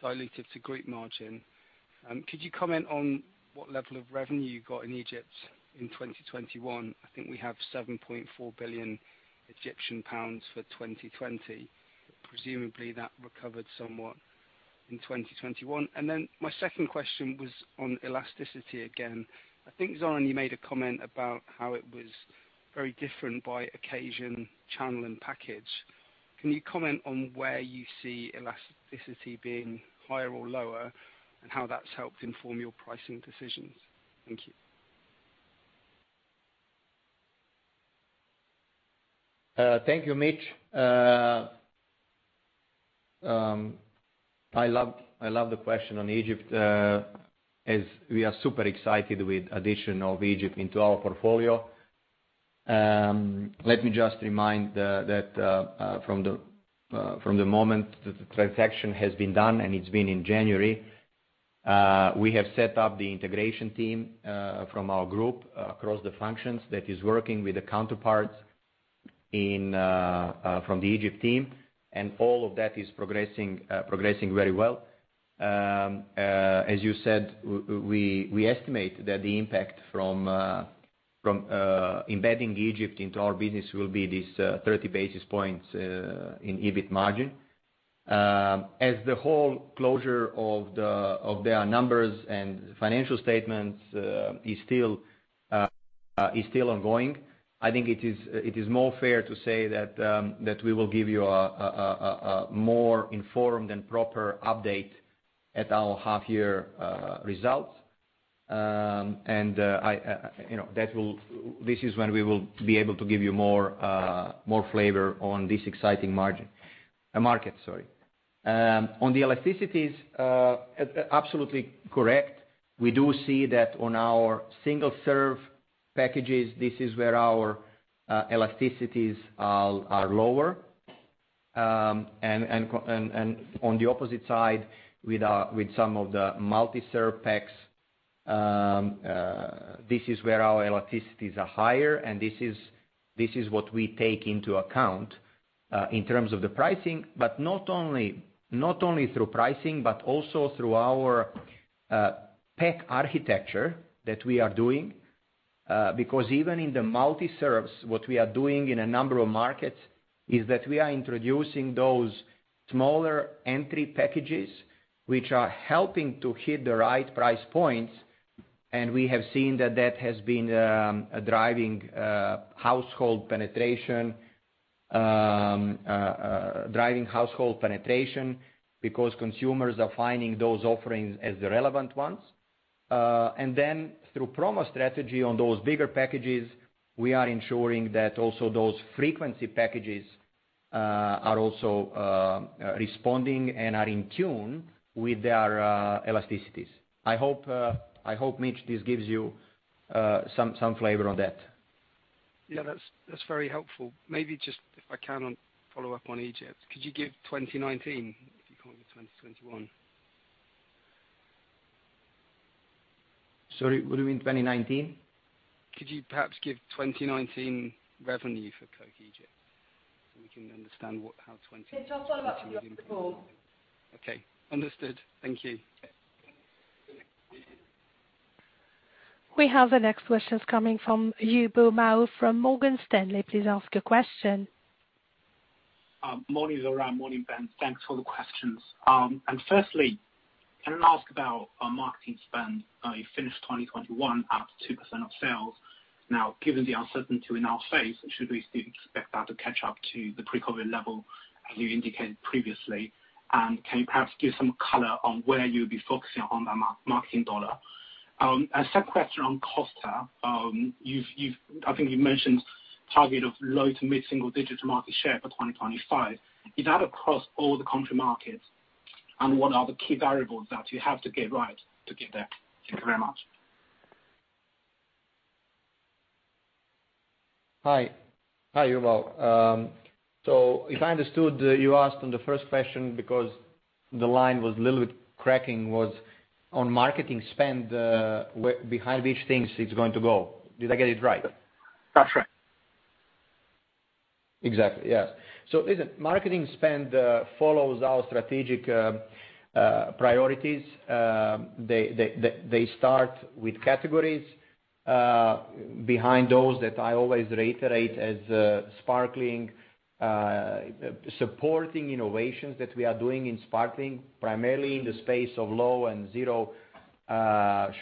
dilutive to group margin. Could you comment on what level of revenue you got in Egypt in 2021? I think we have 7.4 billion Egyptian pounds for 2020. Presumably that recovered somewhat in 2021. My second question was on elasticity again. I think, Zoran, you made a comment about how it was very different by occasion, channel, and package. Can you comment on where you see elasticity being higher or lower, and how that's helped inform your pricing decisions? Thank you. Thank you, Mitch. I love the question on Egypt, as we are super excited with addition of Egypt into our portfolio. Let me just remind that from the moment that the transaction has been done, and it's been in January, we have set up the integration team from our group across the functions that is working with the counterparts from the Egypt team, and all of that is progressing very well. As you said, we estimate that the impact from embedding Egypt into our business will be this 30 basis points in EBIT margin. As the whole closure of their numbers and financial statements is still ongoing, I think it is more fair to say that we will give you a more informed and proper update at our half year results. You know, this is when we will be able to give you more flavor on this exciting market. On the elasticities, absolutely correct. We do see that on our single serve packages, this is where our elasticities are lower. On the opposite side with some of the multi-serve packs, this is where our elasticities are higher and this is what we take into account in terms of the price thing. Not only through pricing, but also through our pack architecture that we are doing. Because even in the multi-serves, what we are doing in a number of markets is that we are introducing those smaller entry packages, which are helping to hit the right price points. We have seen that that has been driving household penetration because consumers are finding those offerings as the relevant ones. through promo strategy on those bigger packages, we are ensuring that also those frequency packages are also responding and are in tune with their elasticities. I hope, Mitch, this gives you some flavor on that. Yeah, that's very helpful. Maybe just if I can follow up on Egypt, could you give 2019 if you can't give 2021? Sorry, what do you mean 2019? Could you perhaps give 2019 revenue for Coke Egypt so we can understand how twenty- Mitch, I'll talk about the rest of the call. Okay. Understood. Thank you. We have the next questions coming from Yubo Mao from Morgan Stanley. Please ask your question. Morning Zoran, morning Ben. Thanks for the questions. Firstly, can I ask about our marketing spend? You finished 2021 up 2% of sales. Now, given the uncertainty we now face, should we still expect that to catch up to the pre-COVID level as you indicated previously? Can you perhaps give some color on where you'll be focusing on the marketing dollar? A sub-question on Costa. I think you mentioned target of low- to mid-single-digit market share for 2025. Is that across all the country markets? What are the key variables that you have to get right to get there? Thank you very much. Hi. Hi, Yubo. If I understood, you asked on the first question because the line was a little bit cracking, was on marketing spend, where, behind which things it's going to go. Did I get it right? That's right. Exactly, yes. Listen, marketing spend follows our strategic priorities. They start with categories behind those that I always reiterate as sparkling supporting innovations that we are doing in sparkling, primarily in the space of low and zero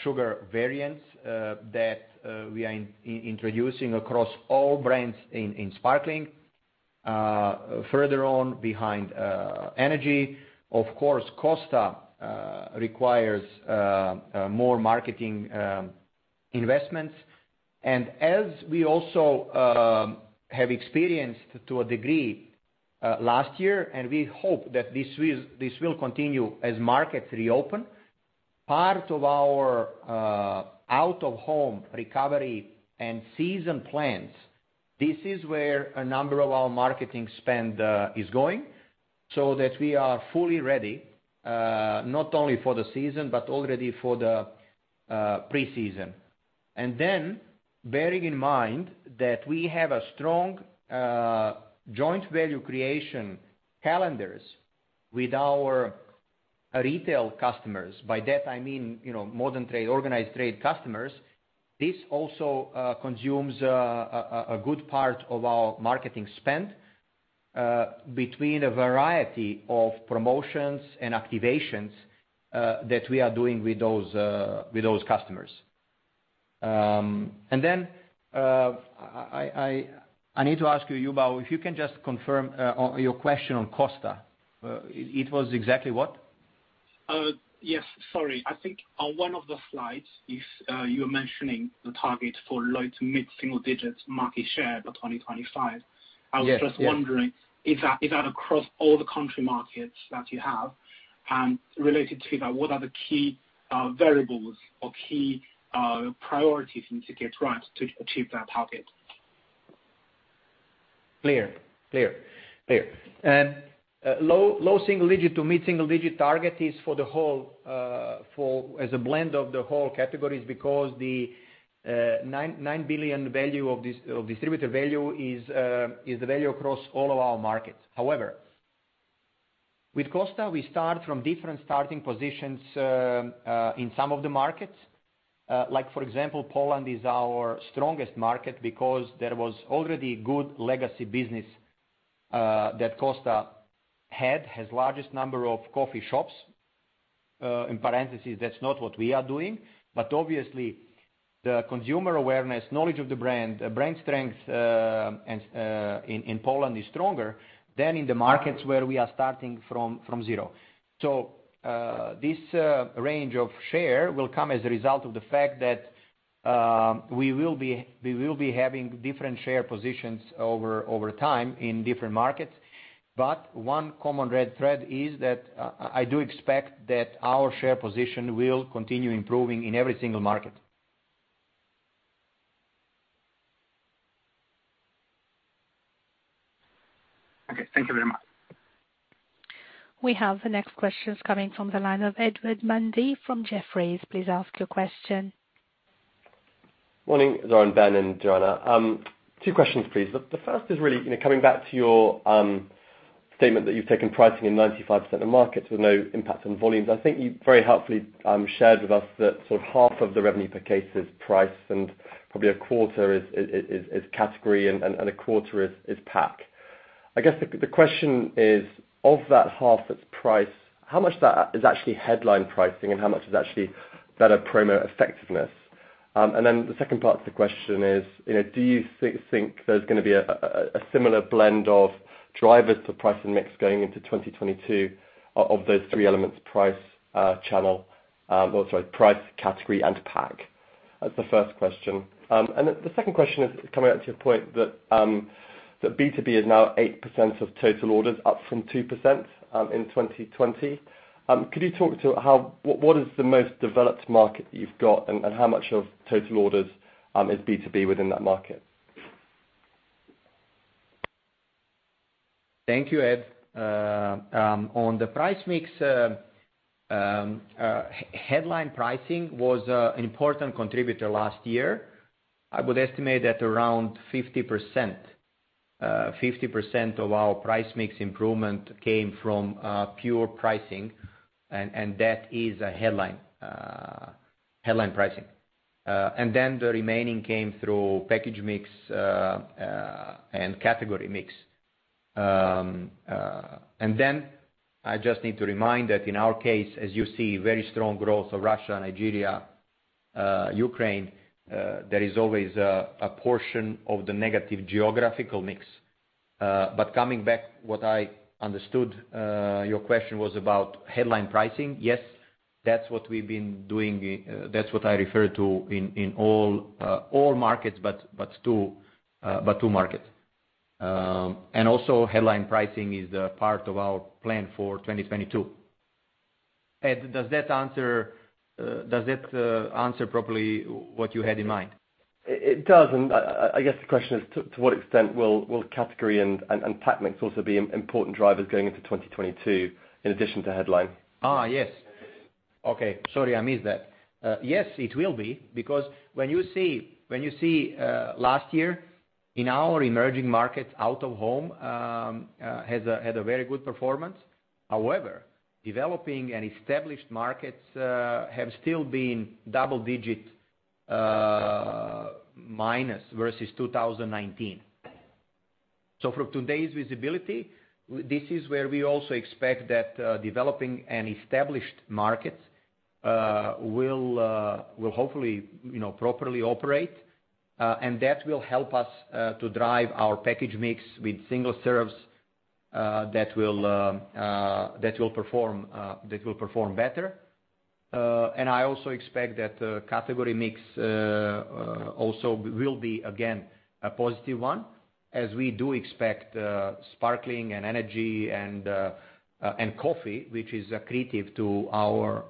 sugar variants that we are introducing across all brands in sparkling, further on behind energy. Of course, Costa requires more marketing investments. As we also have experienced to a degree last year, and we hope that this will continue as markets reopen, part of our out-of-home recovery and season plans, this is where a number of our marketing spend is going, so that we are fully ready not only for the season, but already for the pre-season. Bearing in mind that we have a strong joint value creation calendars with our retail customers, by that I mean, you know, modern trade, organized trade customers, this also consumes a good part of our marketing spend between a variety of promotions and activations that we are doing with those customers. I need to ask you, Yubo, if you can just confirm on your question on Costa. It was exactly what? Yes. Sorry. I think on one of the slides, if you were mentioning the target for low- to mid-single digits market share by 2025. Yes, yes. I was just wondering, is that across all the country markets that you have? Related to that, what are the key variables or key priorities you need to get right to achieve that target? Low single-digit to mid-single-digit target is for the whole, for as a blend of the whole categories because the 9 billion value of this distributor value is the value across all of our markets. However, with Costa, we start from different starting positions in some of the markets. Like for example, Poland is our strongest market because there was already good legacy business that Costa had has largest number of coffee shops. In parentheses, that's not what we are doing. Obviously, the consumer awareness, knowledge of the brand strength, and in Poland is stronger than in the markets where we are starting from zero. This range of share will come as a result of the fact that we will be having different share positions over time in different markets. One common red thread is that I do expect that our share position will continue improving in every single market. Okay, thank you very much. We have the next questions coming from the line of Edward Mundy from Jefferies. Please ask your question. Morning, Zoran, Ben, and Joanna. Two questions, please. The first is really, you know, coming back to your statement that you've taken pricing in 95% of markets with no impact on volumes. I think you very helpfully shared with us that sort of half of the revenue per case is price, and probably a quarter is category and a quarter is pack. I guess the question is, of that half that's price, how much of that is actually headline pricing, and how much is actually better promo effectiveness? And then the second part of the question is, you know, do you think there's gonna be a similar blend of drivers to price and mix going into 2022 of those three elements, price, channel, or sorry, price, category, and pack? That's the first question. The second question is coming out to your point that B2B is now 8% of total orders, up from 2% in 2020. Could you talk to what is the most developed market you've got and how much of total orders is B2B within that market? Thank you, Ed. On the price mix, headline pricing was an important contributor last year. I would estimate at around 50%. 50% of our price mix improvement came from pure pricing, and that is a headline pricing. Then the remaining came through package mix and category mix. I just need to remind that in our case, as you see, very strong growth of Russia and Nigeria, Ukraine, there is always a portion of the negative geographical mix. Coming back, what I understood your question was about headline pricing. Yes, that's what we've been doing. That's what I refer to in all markets but two markets. Headline pricing is a part of our plan for 2022. Ed, does that answer properly what you had in mind? It does. I guess the question is to what extent will category and pack mix also be important drivers going into 2022 in addition to headline? Yes. Okay. Sorry, I missed that. Yes, it will be because when you see last year in our emerging markets, out of home had a very good performance. However, developing and established markets have still been double-digit minus versus 2019. For today's visibility, this is where we also expect that developing and established markets will hopefully, you know, properly operate. That will help us to drive our package mix with single serves that will perform better. I also expect that category mix also will be again a positive one, as we do expect sparkling and energy and coffee, which is accretive to our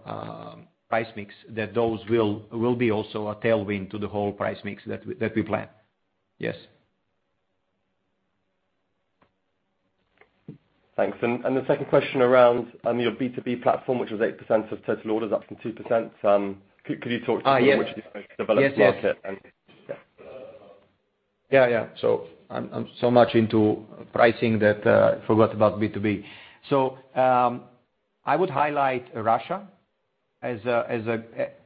price mix, that those will be also a tailwind to the whole price mix that we plan. Yes. Thanks. The second question around on your B2B platform, which was 8% of total orders up from 2%. Could you talk to- Yes. Which of these developments yet and yeah. I'm so much into pricing that I forgot about B2B. I would highlight Russia as a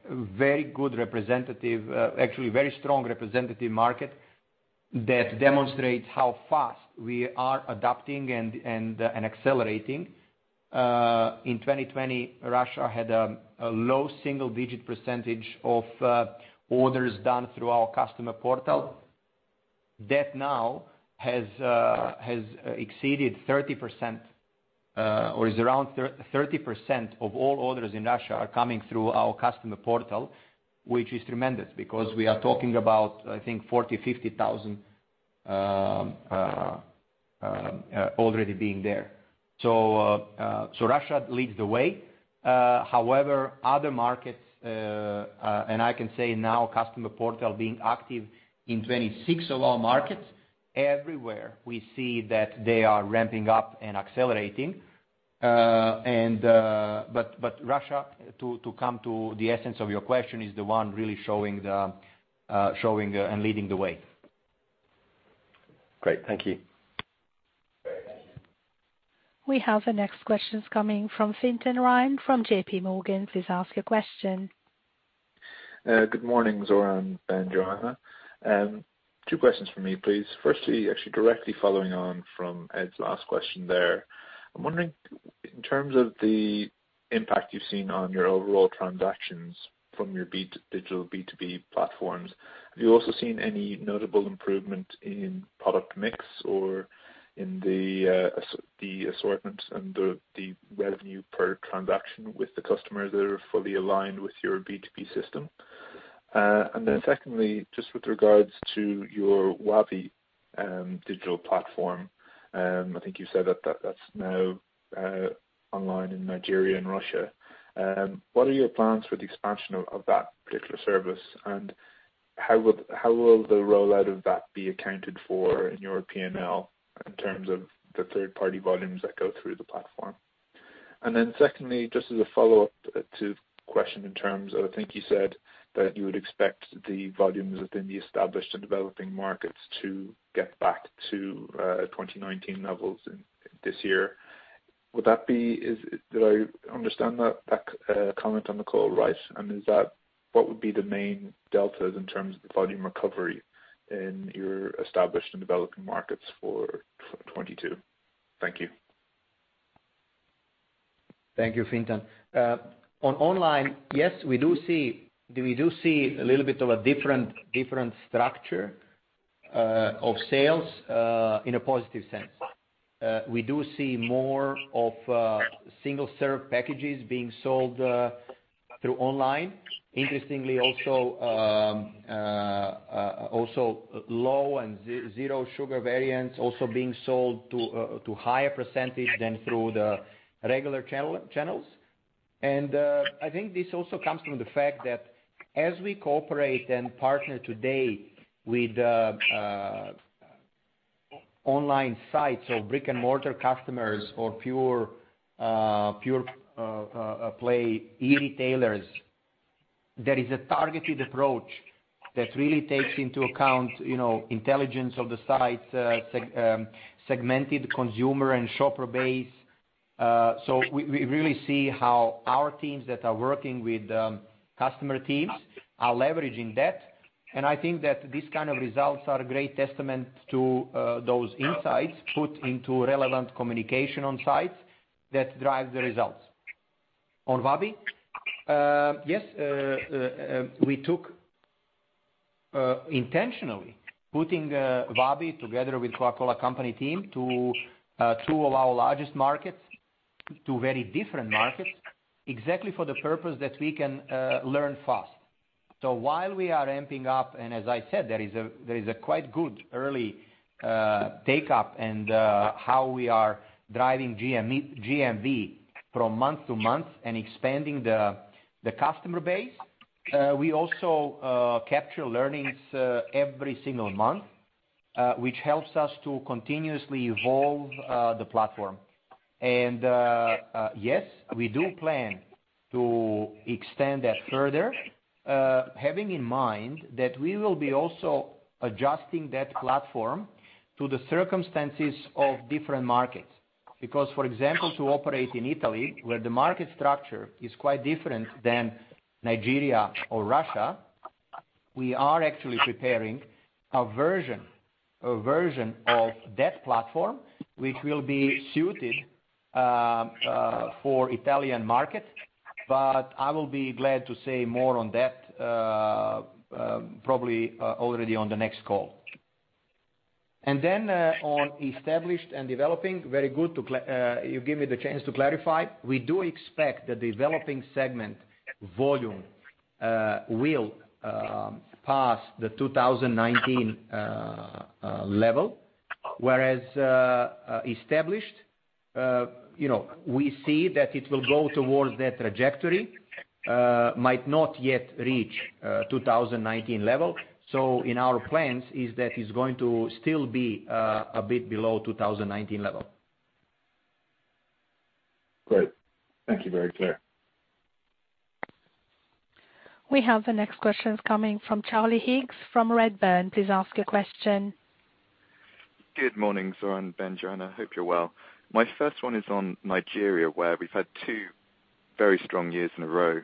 very good representative, actually very strong representative market that demonstrates how fast we are adapting and accelerating. In 2020, Russia had a low single-digit percentage of orders done through our customer portal. That now has exceeded 30%, or is around 30% of all orders in Russia are coming through our customer portal, which is tremendous because we are talking about, I think 40,000-50,000 already being there. Russia leads the way. However, other markets, and I can say now customer portal being active in 26 of our markets, everywhere we see that they are ramping up and accelerating. Russia, to come to the essence of your question, is the one really showing the and leading the way. Great. Thank you. We have the next questions coming from Fintan Ryan from JPMorgan. Please ask your question. Good morning, Zoran and Joanna. Two questions from me, please. Firstly, actually directly following on from Ed's last question there. I'm wondering, in terms of the impact you've seen on your overall transactions from your B2B digital platforms, have you also seen any notable improvement in product mix or in the assortment and the revenue per transaction with the customers that are fully aligned with your B2B system? Secondly, just with regards to your Wabi digital platform, I think you said that that's now online in Nigeria and Russia. What are your plans for the expansion of that particular service, and how will the rollout of that be accounted for in your P&L in terms of the third party volumes that go through the platform? Then secondly, just as a follow-up to the question in terms of, I think you said that you would expect the volumes within the established and developing markets to get back to 2019 levels in this year. Would that be? Did I understand that comment on the call right? Is that what would be the main deltas in terms of the volume recovery in your established and developing markets for 2022? Thank you. Thank you, Fintan. On online, yes, we do see a little bit of a different structure of sales in a positive sense. We do see more of also low and zero-sugar variants also being sold to higher percentage than through the regular channels. I think this also comes from the fact that as we cooperate and partner today with online sites or brick and mortar customers or pure play e-retailers, there is a targeted approach that really takes into account, you know, intelligence of the sites, segmented consumer and shopper base. We really see how our teams that are working with customer teams are leveraging that. I think that these kind of results are a great testament to those insights put into relevant communication on sites that drive the results. On Wabi, yes, we intentionally put Wabi together with Coca-Cola Company team to two of our largest markets, two very different markets, exactly for the purpose that we can learn fast. While we are ramping up, and as I said, there is a quite good early take-up and how we are driving GMV from month to month and expanding the customer base. We also capture learnings every single month, which helps us to continuously evolve the platform. Yes, we do plan to extend that further, having in mind that we will be also adjusting that platform to the circumstances of different markets. Because, for example, to operate in Italy, where the market structure is quite different than Nigeria or Russia, we are actually preparing a version of that platform which will be suited for Italian market. I will be glad to say more on that, probably already on the next call. On established and developing, very good to clarify. You give me the chance to clarify. We do expect the developing segment volume will pass the 2019 level, whereas established, you know, we see that it will go towards that trajectory, might not yet reach 2019 level. In our plans is that it's going to still be a bit below 2019 level. Great. Thank you. Very clear. We have the next questions coming from Charlie Higgs from Redburn. Please ask your question. Good morning, Zoran, Ben, Joanna. Hope you're well. My first one is on Nigeria, where we've had two very strong years in a row.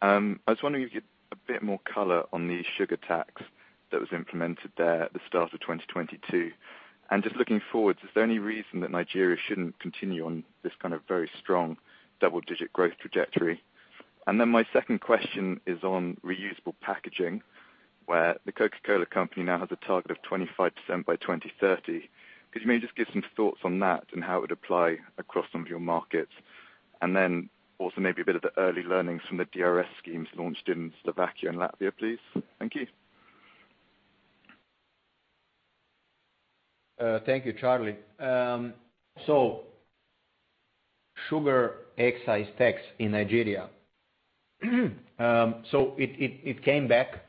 I was wondering if you could give a bit more color on the sugar tax that was implemented there at the start of 2022. Just looking forward, is there any reason that Nigeria shouldn't continue on this kind of very strong double-digit growth trajectory? My second question is on reusable packaging, where the Coca-Cola Company now has a target of 25% by 2030. Could you maybe just give some thoughts on that and how it would apply across some of your markets? Then also maybe a bit of the early learnings from the DRS schemes launched in Slovakia and Latvia, please. Thank you. Thank you, Charlie. Sugar excise tax in Nigeria. It came back.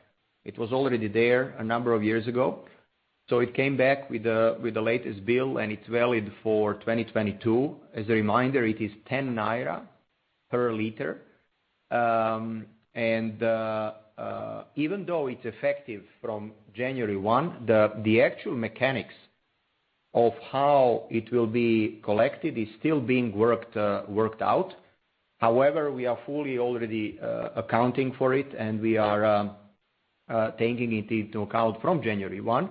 It was already there a number of years ago. It came back with the latest bill, and it's valid for 2022. As a reminder, it is 10 naira per liter. Even though it's effective from January 1, the actual mechanics of how it will be collected is still being worked out. However, we are fully already accounting for it, and we are taking it into account from January 1.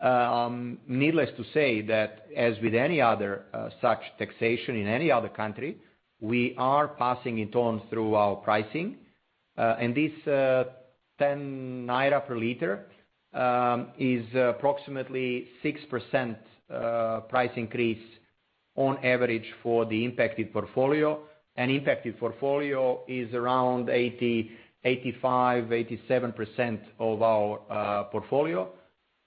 Needless to say that as with any other such taxation in any other country, we are passing it on through our pricing. This 10 naira per liter is approximately 6% price increase on average for the impacted portfolio. Impacted portfolio is around 80%-87% of our portfolio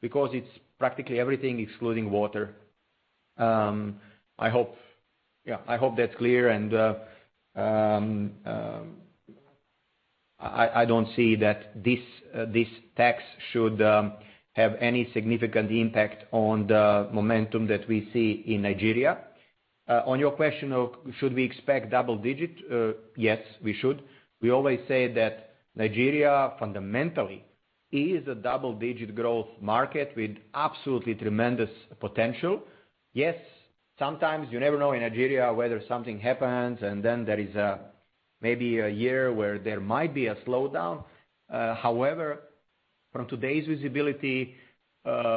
because it's practically everything excluding water. I hope, yeah, I hope that's clear and I don't see that this tax should have any significant impact on the momentum that we see in Nigeria. On your question of should we expect double-digit? Yes, we should. We always say that Nigeria fundamentally is a double-digit growth market with absolutely tremendous potential. Yes, sometimes you never know in Nigeria whether something happens, and then there is a maybe a year where there might be a slowdown. However, from today's visibility,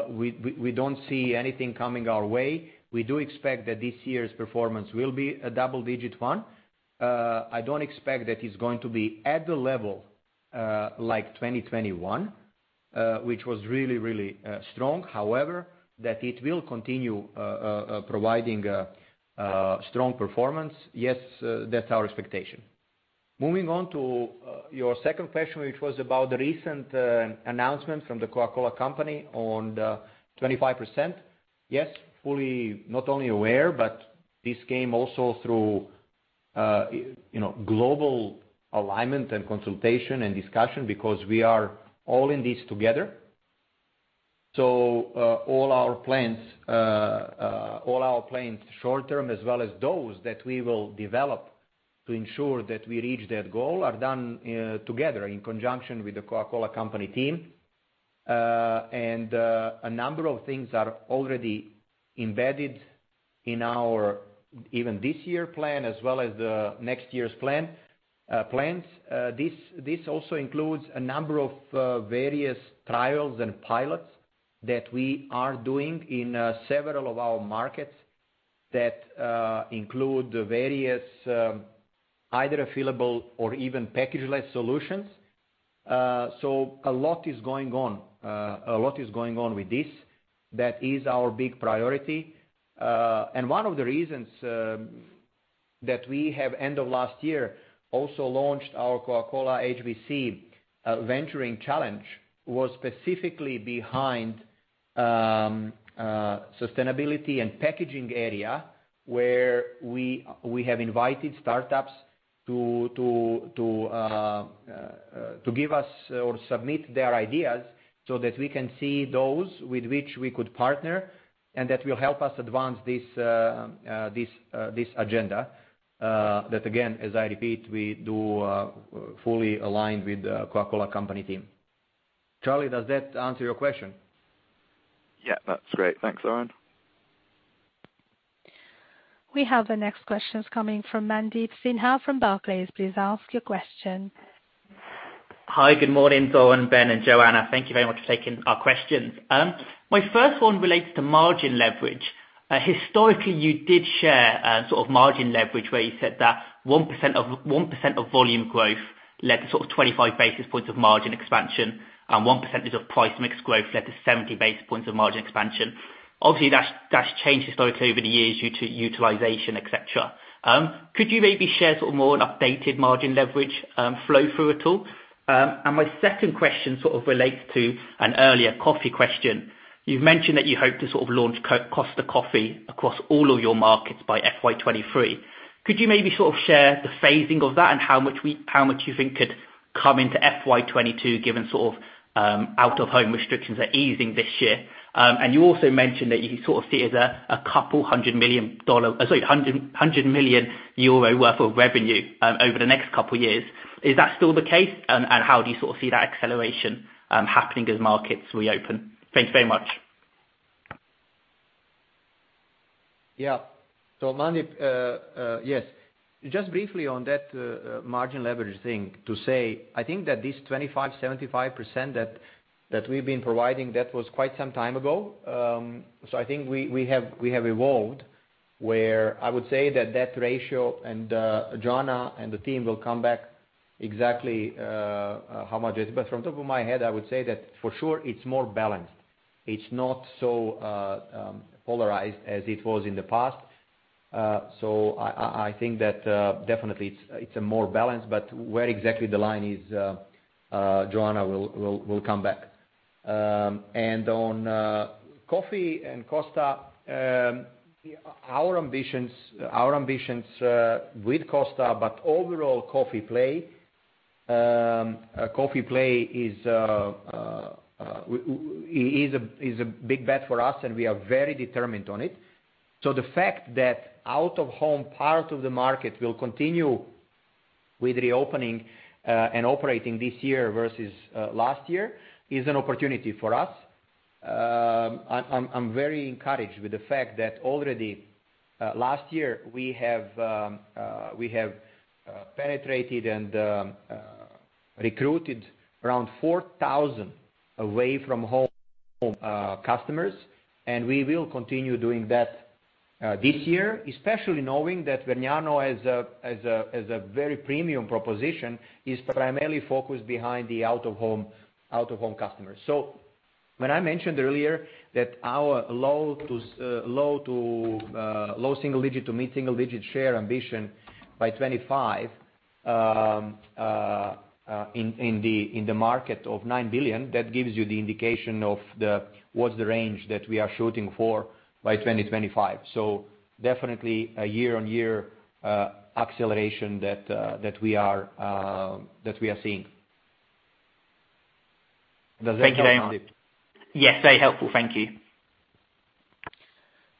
we don't see anything coming our way. We do expect that this year's performance will be a double-digit one. I don't expect that it's going to be at the level like 2021, which was really strong. However, that it will continue providing strong performance, yes, that's our expectation. Moving on to your second question, which was about the recent announcement from The Coca-Cola Company on the 25%. Yes, fully not only aware, but this came also through you know, global alignment and consultation and discussion because we are all in this together. All our plans short-term as well as those that we will develop to ensure that we reach that goal are done together in conjunction with The Coca-Cola Company team. A number of things are already embedded in our even this year plan as well as the next year's plan. This also includes a number of various trials and pilots that we are doing in several of our markets that include the various either a fillable or even package-less solutions. A lot is going on with this. That is our big priority. One of the reasons that we have end of last year also launched our Coca-Cola HBC venturing challenge was specifically behind sustainability and packaging area, where we have invited startups to give us or submit their ideas so that we can see those with which we could partner and that will help us advance this agenda. That again, as I repeat, we do fully align with The Coca-Cola Company team. Charlie, does that answer your question? Yeah, that's great. Thanks, Zoran. We have the next questions coming from Mandeep Singh from Barclays. Please ask your question. Hi. Good morning, Zoran, Ben, and Joanna. Thank you very much for taking our questions. My first one relates to margin leverage. Historically, you did share sort of margin leverage where you said that 1% of volume growth led to sort of 25 basis points of margin expansion, and 1% of price mix growth led to 70 basis points of margin expansion. Obviously, that's changed historically over the years due to utilization, et cetera. Could you maybe share sort of a more updated margin leverage flow through at all? My second question sort of relates to an earlier coffee question. You've mentioned that you hope to sort of launch Costa Coffee across all of your markets by FY 2023. Could you maybe sort of share the phasing of that and how much we... How much do you think could come into FY 2022 given sort of out of home restrictions are easing this year? You also mentioned that you can sort of see it as a couple hundred million EUR worth of revenue over the next couple years. Is that still the case? How do you sort of see that acceleration happening as markets reopen? Thanks very much. Yeah. Mandeep, yes, just briefly on that, margin leverage thing to say, I think that this 25%-75% that we've been providing, that was quite some time ago. I think we have evolved where I would say that ratio and, Joanna and the team will come back exactly, how much it is. From top of my head, I would say that for sure it's more balanced. It's not so polarized as it was in the past. I think that definitely it's more balanced, but where exactly the line is, Joanna will come back. On coffee and Costa, our ambitions with Costa, but overall coffee play is a big bet for us, and we are very determined on it. The fact that out of home part of the market will continue with reopening and operating this year versus last year is an opportunity for us. I'm very encouraged with the fact that already last year we have penetrated and recruited around 4,000 away from home customers, and we will continue doing that this year, especially knowing that Vergnano as a very premium proposition is primarily focused behind the out of home customers. When I mentioned earlier that our low single digit to mid-single digit share ambition by 2025, in the market of 9 billion, that gives you the indication of what's the range that we are shooting for by 2025. Definitely a year-on-year acceleration that we are seeing. Does that help, Mandeep? Thank you very much. Yes, very helpful. Thank you.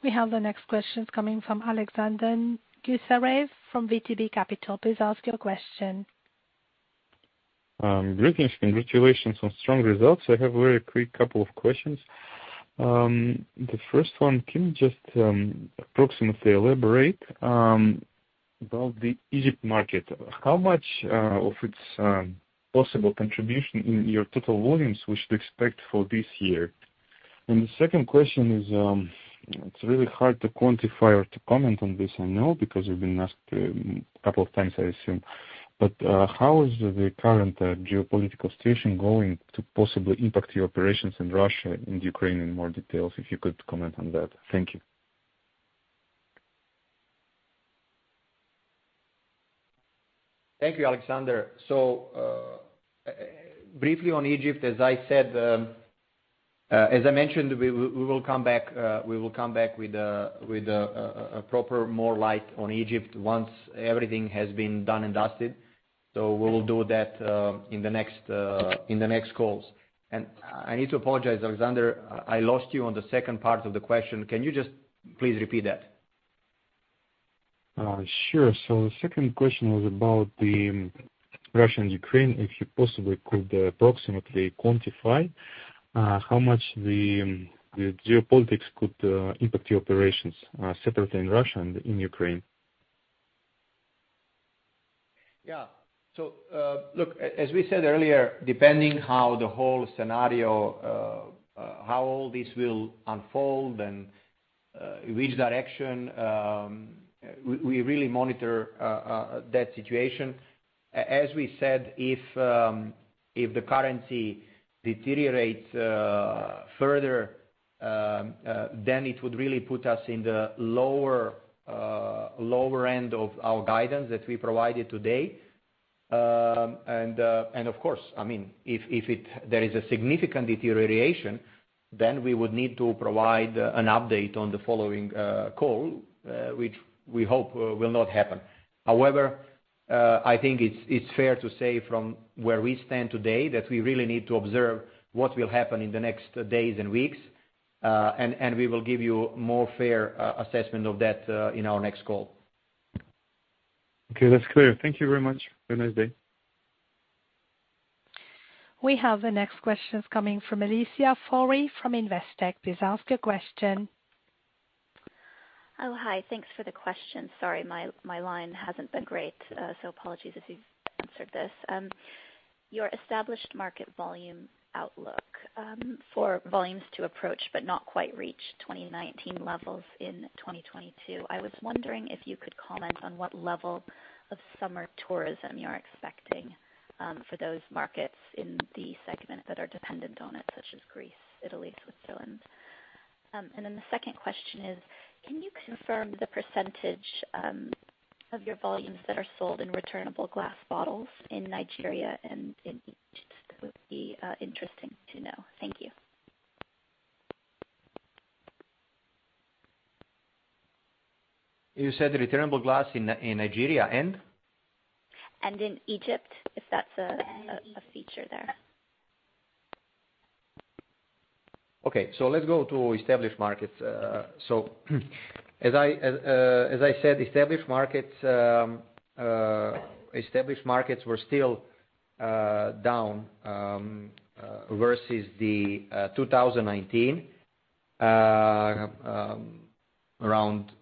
We have the next questions coming from Alexander Gnusarev from VTB Capital. Please ask your question. Greetings. Congratulations on strong results. I have very quick couple of questions. The first one, can you just approximately elaborate about the Egypt market? How much of its possible contribution in your total volumes we should expect for this year? The second question is, it's really hard to quantify or to comment on this I know because you've been asked a couple of times I assume, but how is the current geopolitical situation going to possibly impact your operations in Russia and Ukraine in more details, if you could comment on that? Thank you. Thank you, Alexander. Briefly on Egypt, as I said, as I mentioned, we will come back with a proper more light on Egypt once everything has been done and dusted. We will do that in the next calls. I need to apologize, Alexander, I lost you on the second part of the question. Can you just please repeat that? The second question was about Russia and Ukraine, if you possibly could approximately quantify how much the geopolitics could impact your operations, separately in Russia and in Ukraine? Yeah. As we said earlier, depending how the whole scenario, how all this will unfold and which direction, we really monitor that situation. As we said, if the currency deteriorates further, then it would really put us in the lower end of our guidance that we provided today. Of course, I mean, if there is a significant deterioration, then we would need to provide an update on the following call, which we hope will not happen. However, I think it's fair to say from where we stand today, that we really need to observe what will happen in the next days and weeks, and we will give you more fair assessment of that, in our next call. Okay. That's clear. Thank you very much. Have a nice day. We have the next questions coming from Alicia Forry from Investec. Please ask your question. Hi. Thanks for the questions. Sorry, my line hasn't been great. Apologies if you've answered this. Your established market volume outlook for volumes to approach, but not quite reach 2019 levels in 2022. I was wondering if you could comment on what level of summer tourism you're expecting for those markets in the segment that are dependent on it, such as Greece, Italy, Switzerland. The second question is, can you confirm the percentage of your volumes that are sold in returnable glass bottles in Nigeria and in Egypt? It would be interesting to know. Thank you. You said the returnable glass in Nigeria and? In Egypt, if that's a feature there. Okay. Let's go to established markets. As I said, established markets were still down versus 2019 around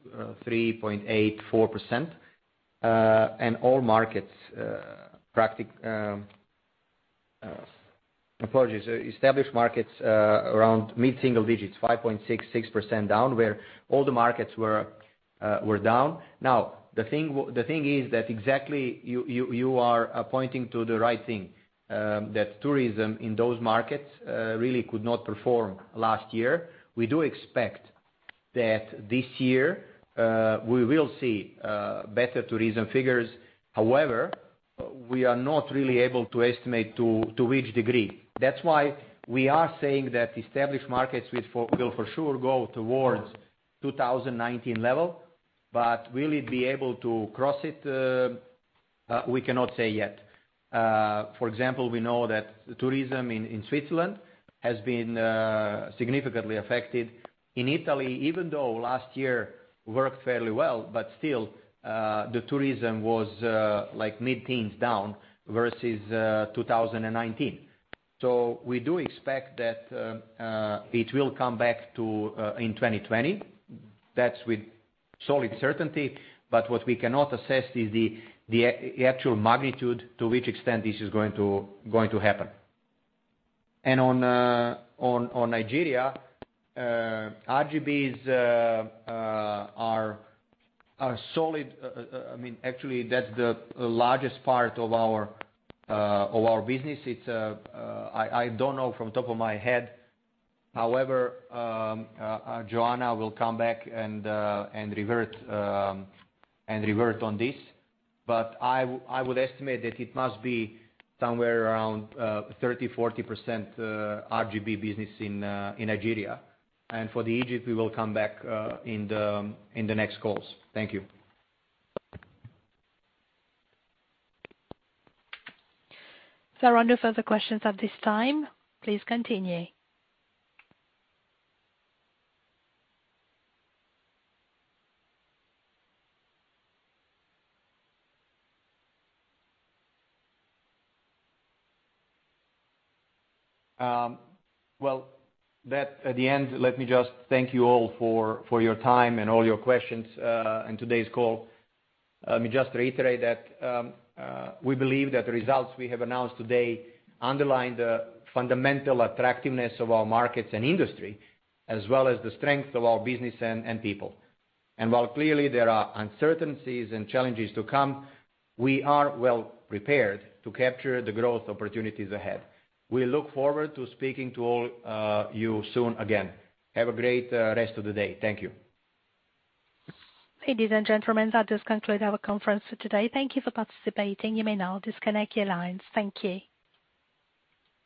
3.84%. All markets were down. Apologies. Established markets around mid-single digits, 5.6%-6% down where all the markets were down. The thing is that exactly, you are pointing to the right thing, that tourism in those markets really could not perform last year. We do expect that this year we will see better tourism figures. However, we are not really able to estimate to which degree. That's why we are saying that established markets which will for sure go towards 2019 level, but will it be able to cross it? We cannot say yet. For example, we know that tourism in Switzerland has been significantly affected. In Italy, even though last year worked fairly well, but still, the tourism was like mid-teens down versus 2019. We do expect that it will come back in 2020. That's with solid certainty, but what we cannot assess is the actual magnitude to which extent this is going to happen. On Nigeria, RGBs are solid. I mean, actually that's the largest part of our business. I don't know off the top of my head. However, Joanna will come back and revert on this. I would estimate that it must be somewhere around 30%-40% RGB business in Nigeria. For Egypt, we will come back in the next calls. Thank you. There are no further questions at this time. Please continue. Well, that at the end, let me just thank you all for your time and all your questions in today's call. Let me just reiterate that we believe that the results we have announced today underline the fundamental attractiveness of our markets and industry, as well as the strength of our business and people. While clearly there are uncertainties and challenges to come, we are well prepared to capture the growth opportunities ahead. We look forward to speaking to all you soon again. Have a great rest of the day. Thank you. Ladies and gentlemen, that does conclude our conference for today. Thank you for participating. You may now disconnect your lines. Thank you.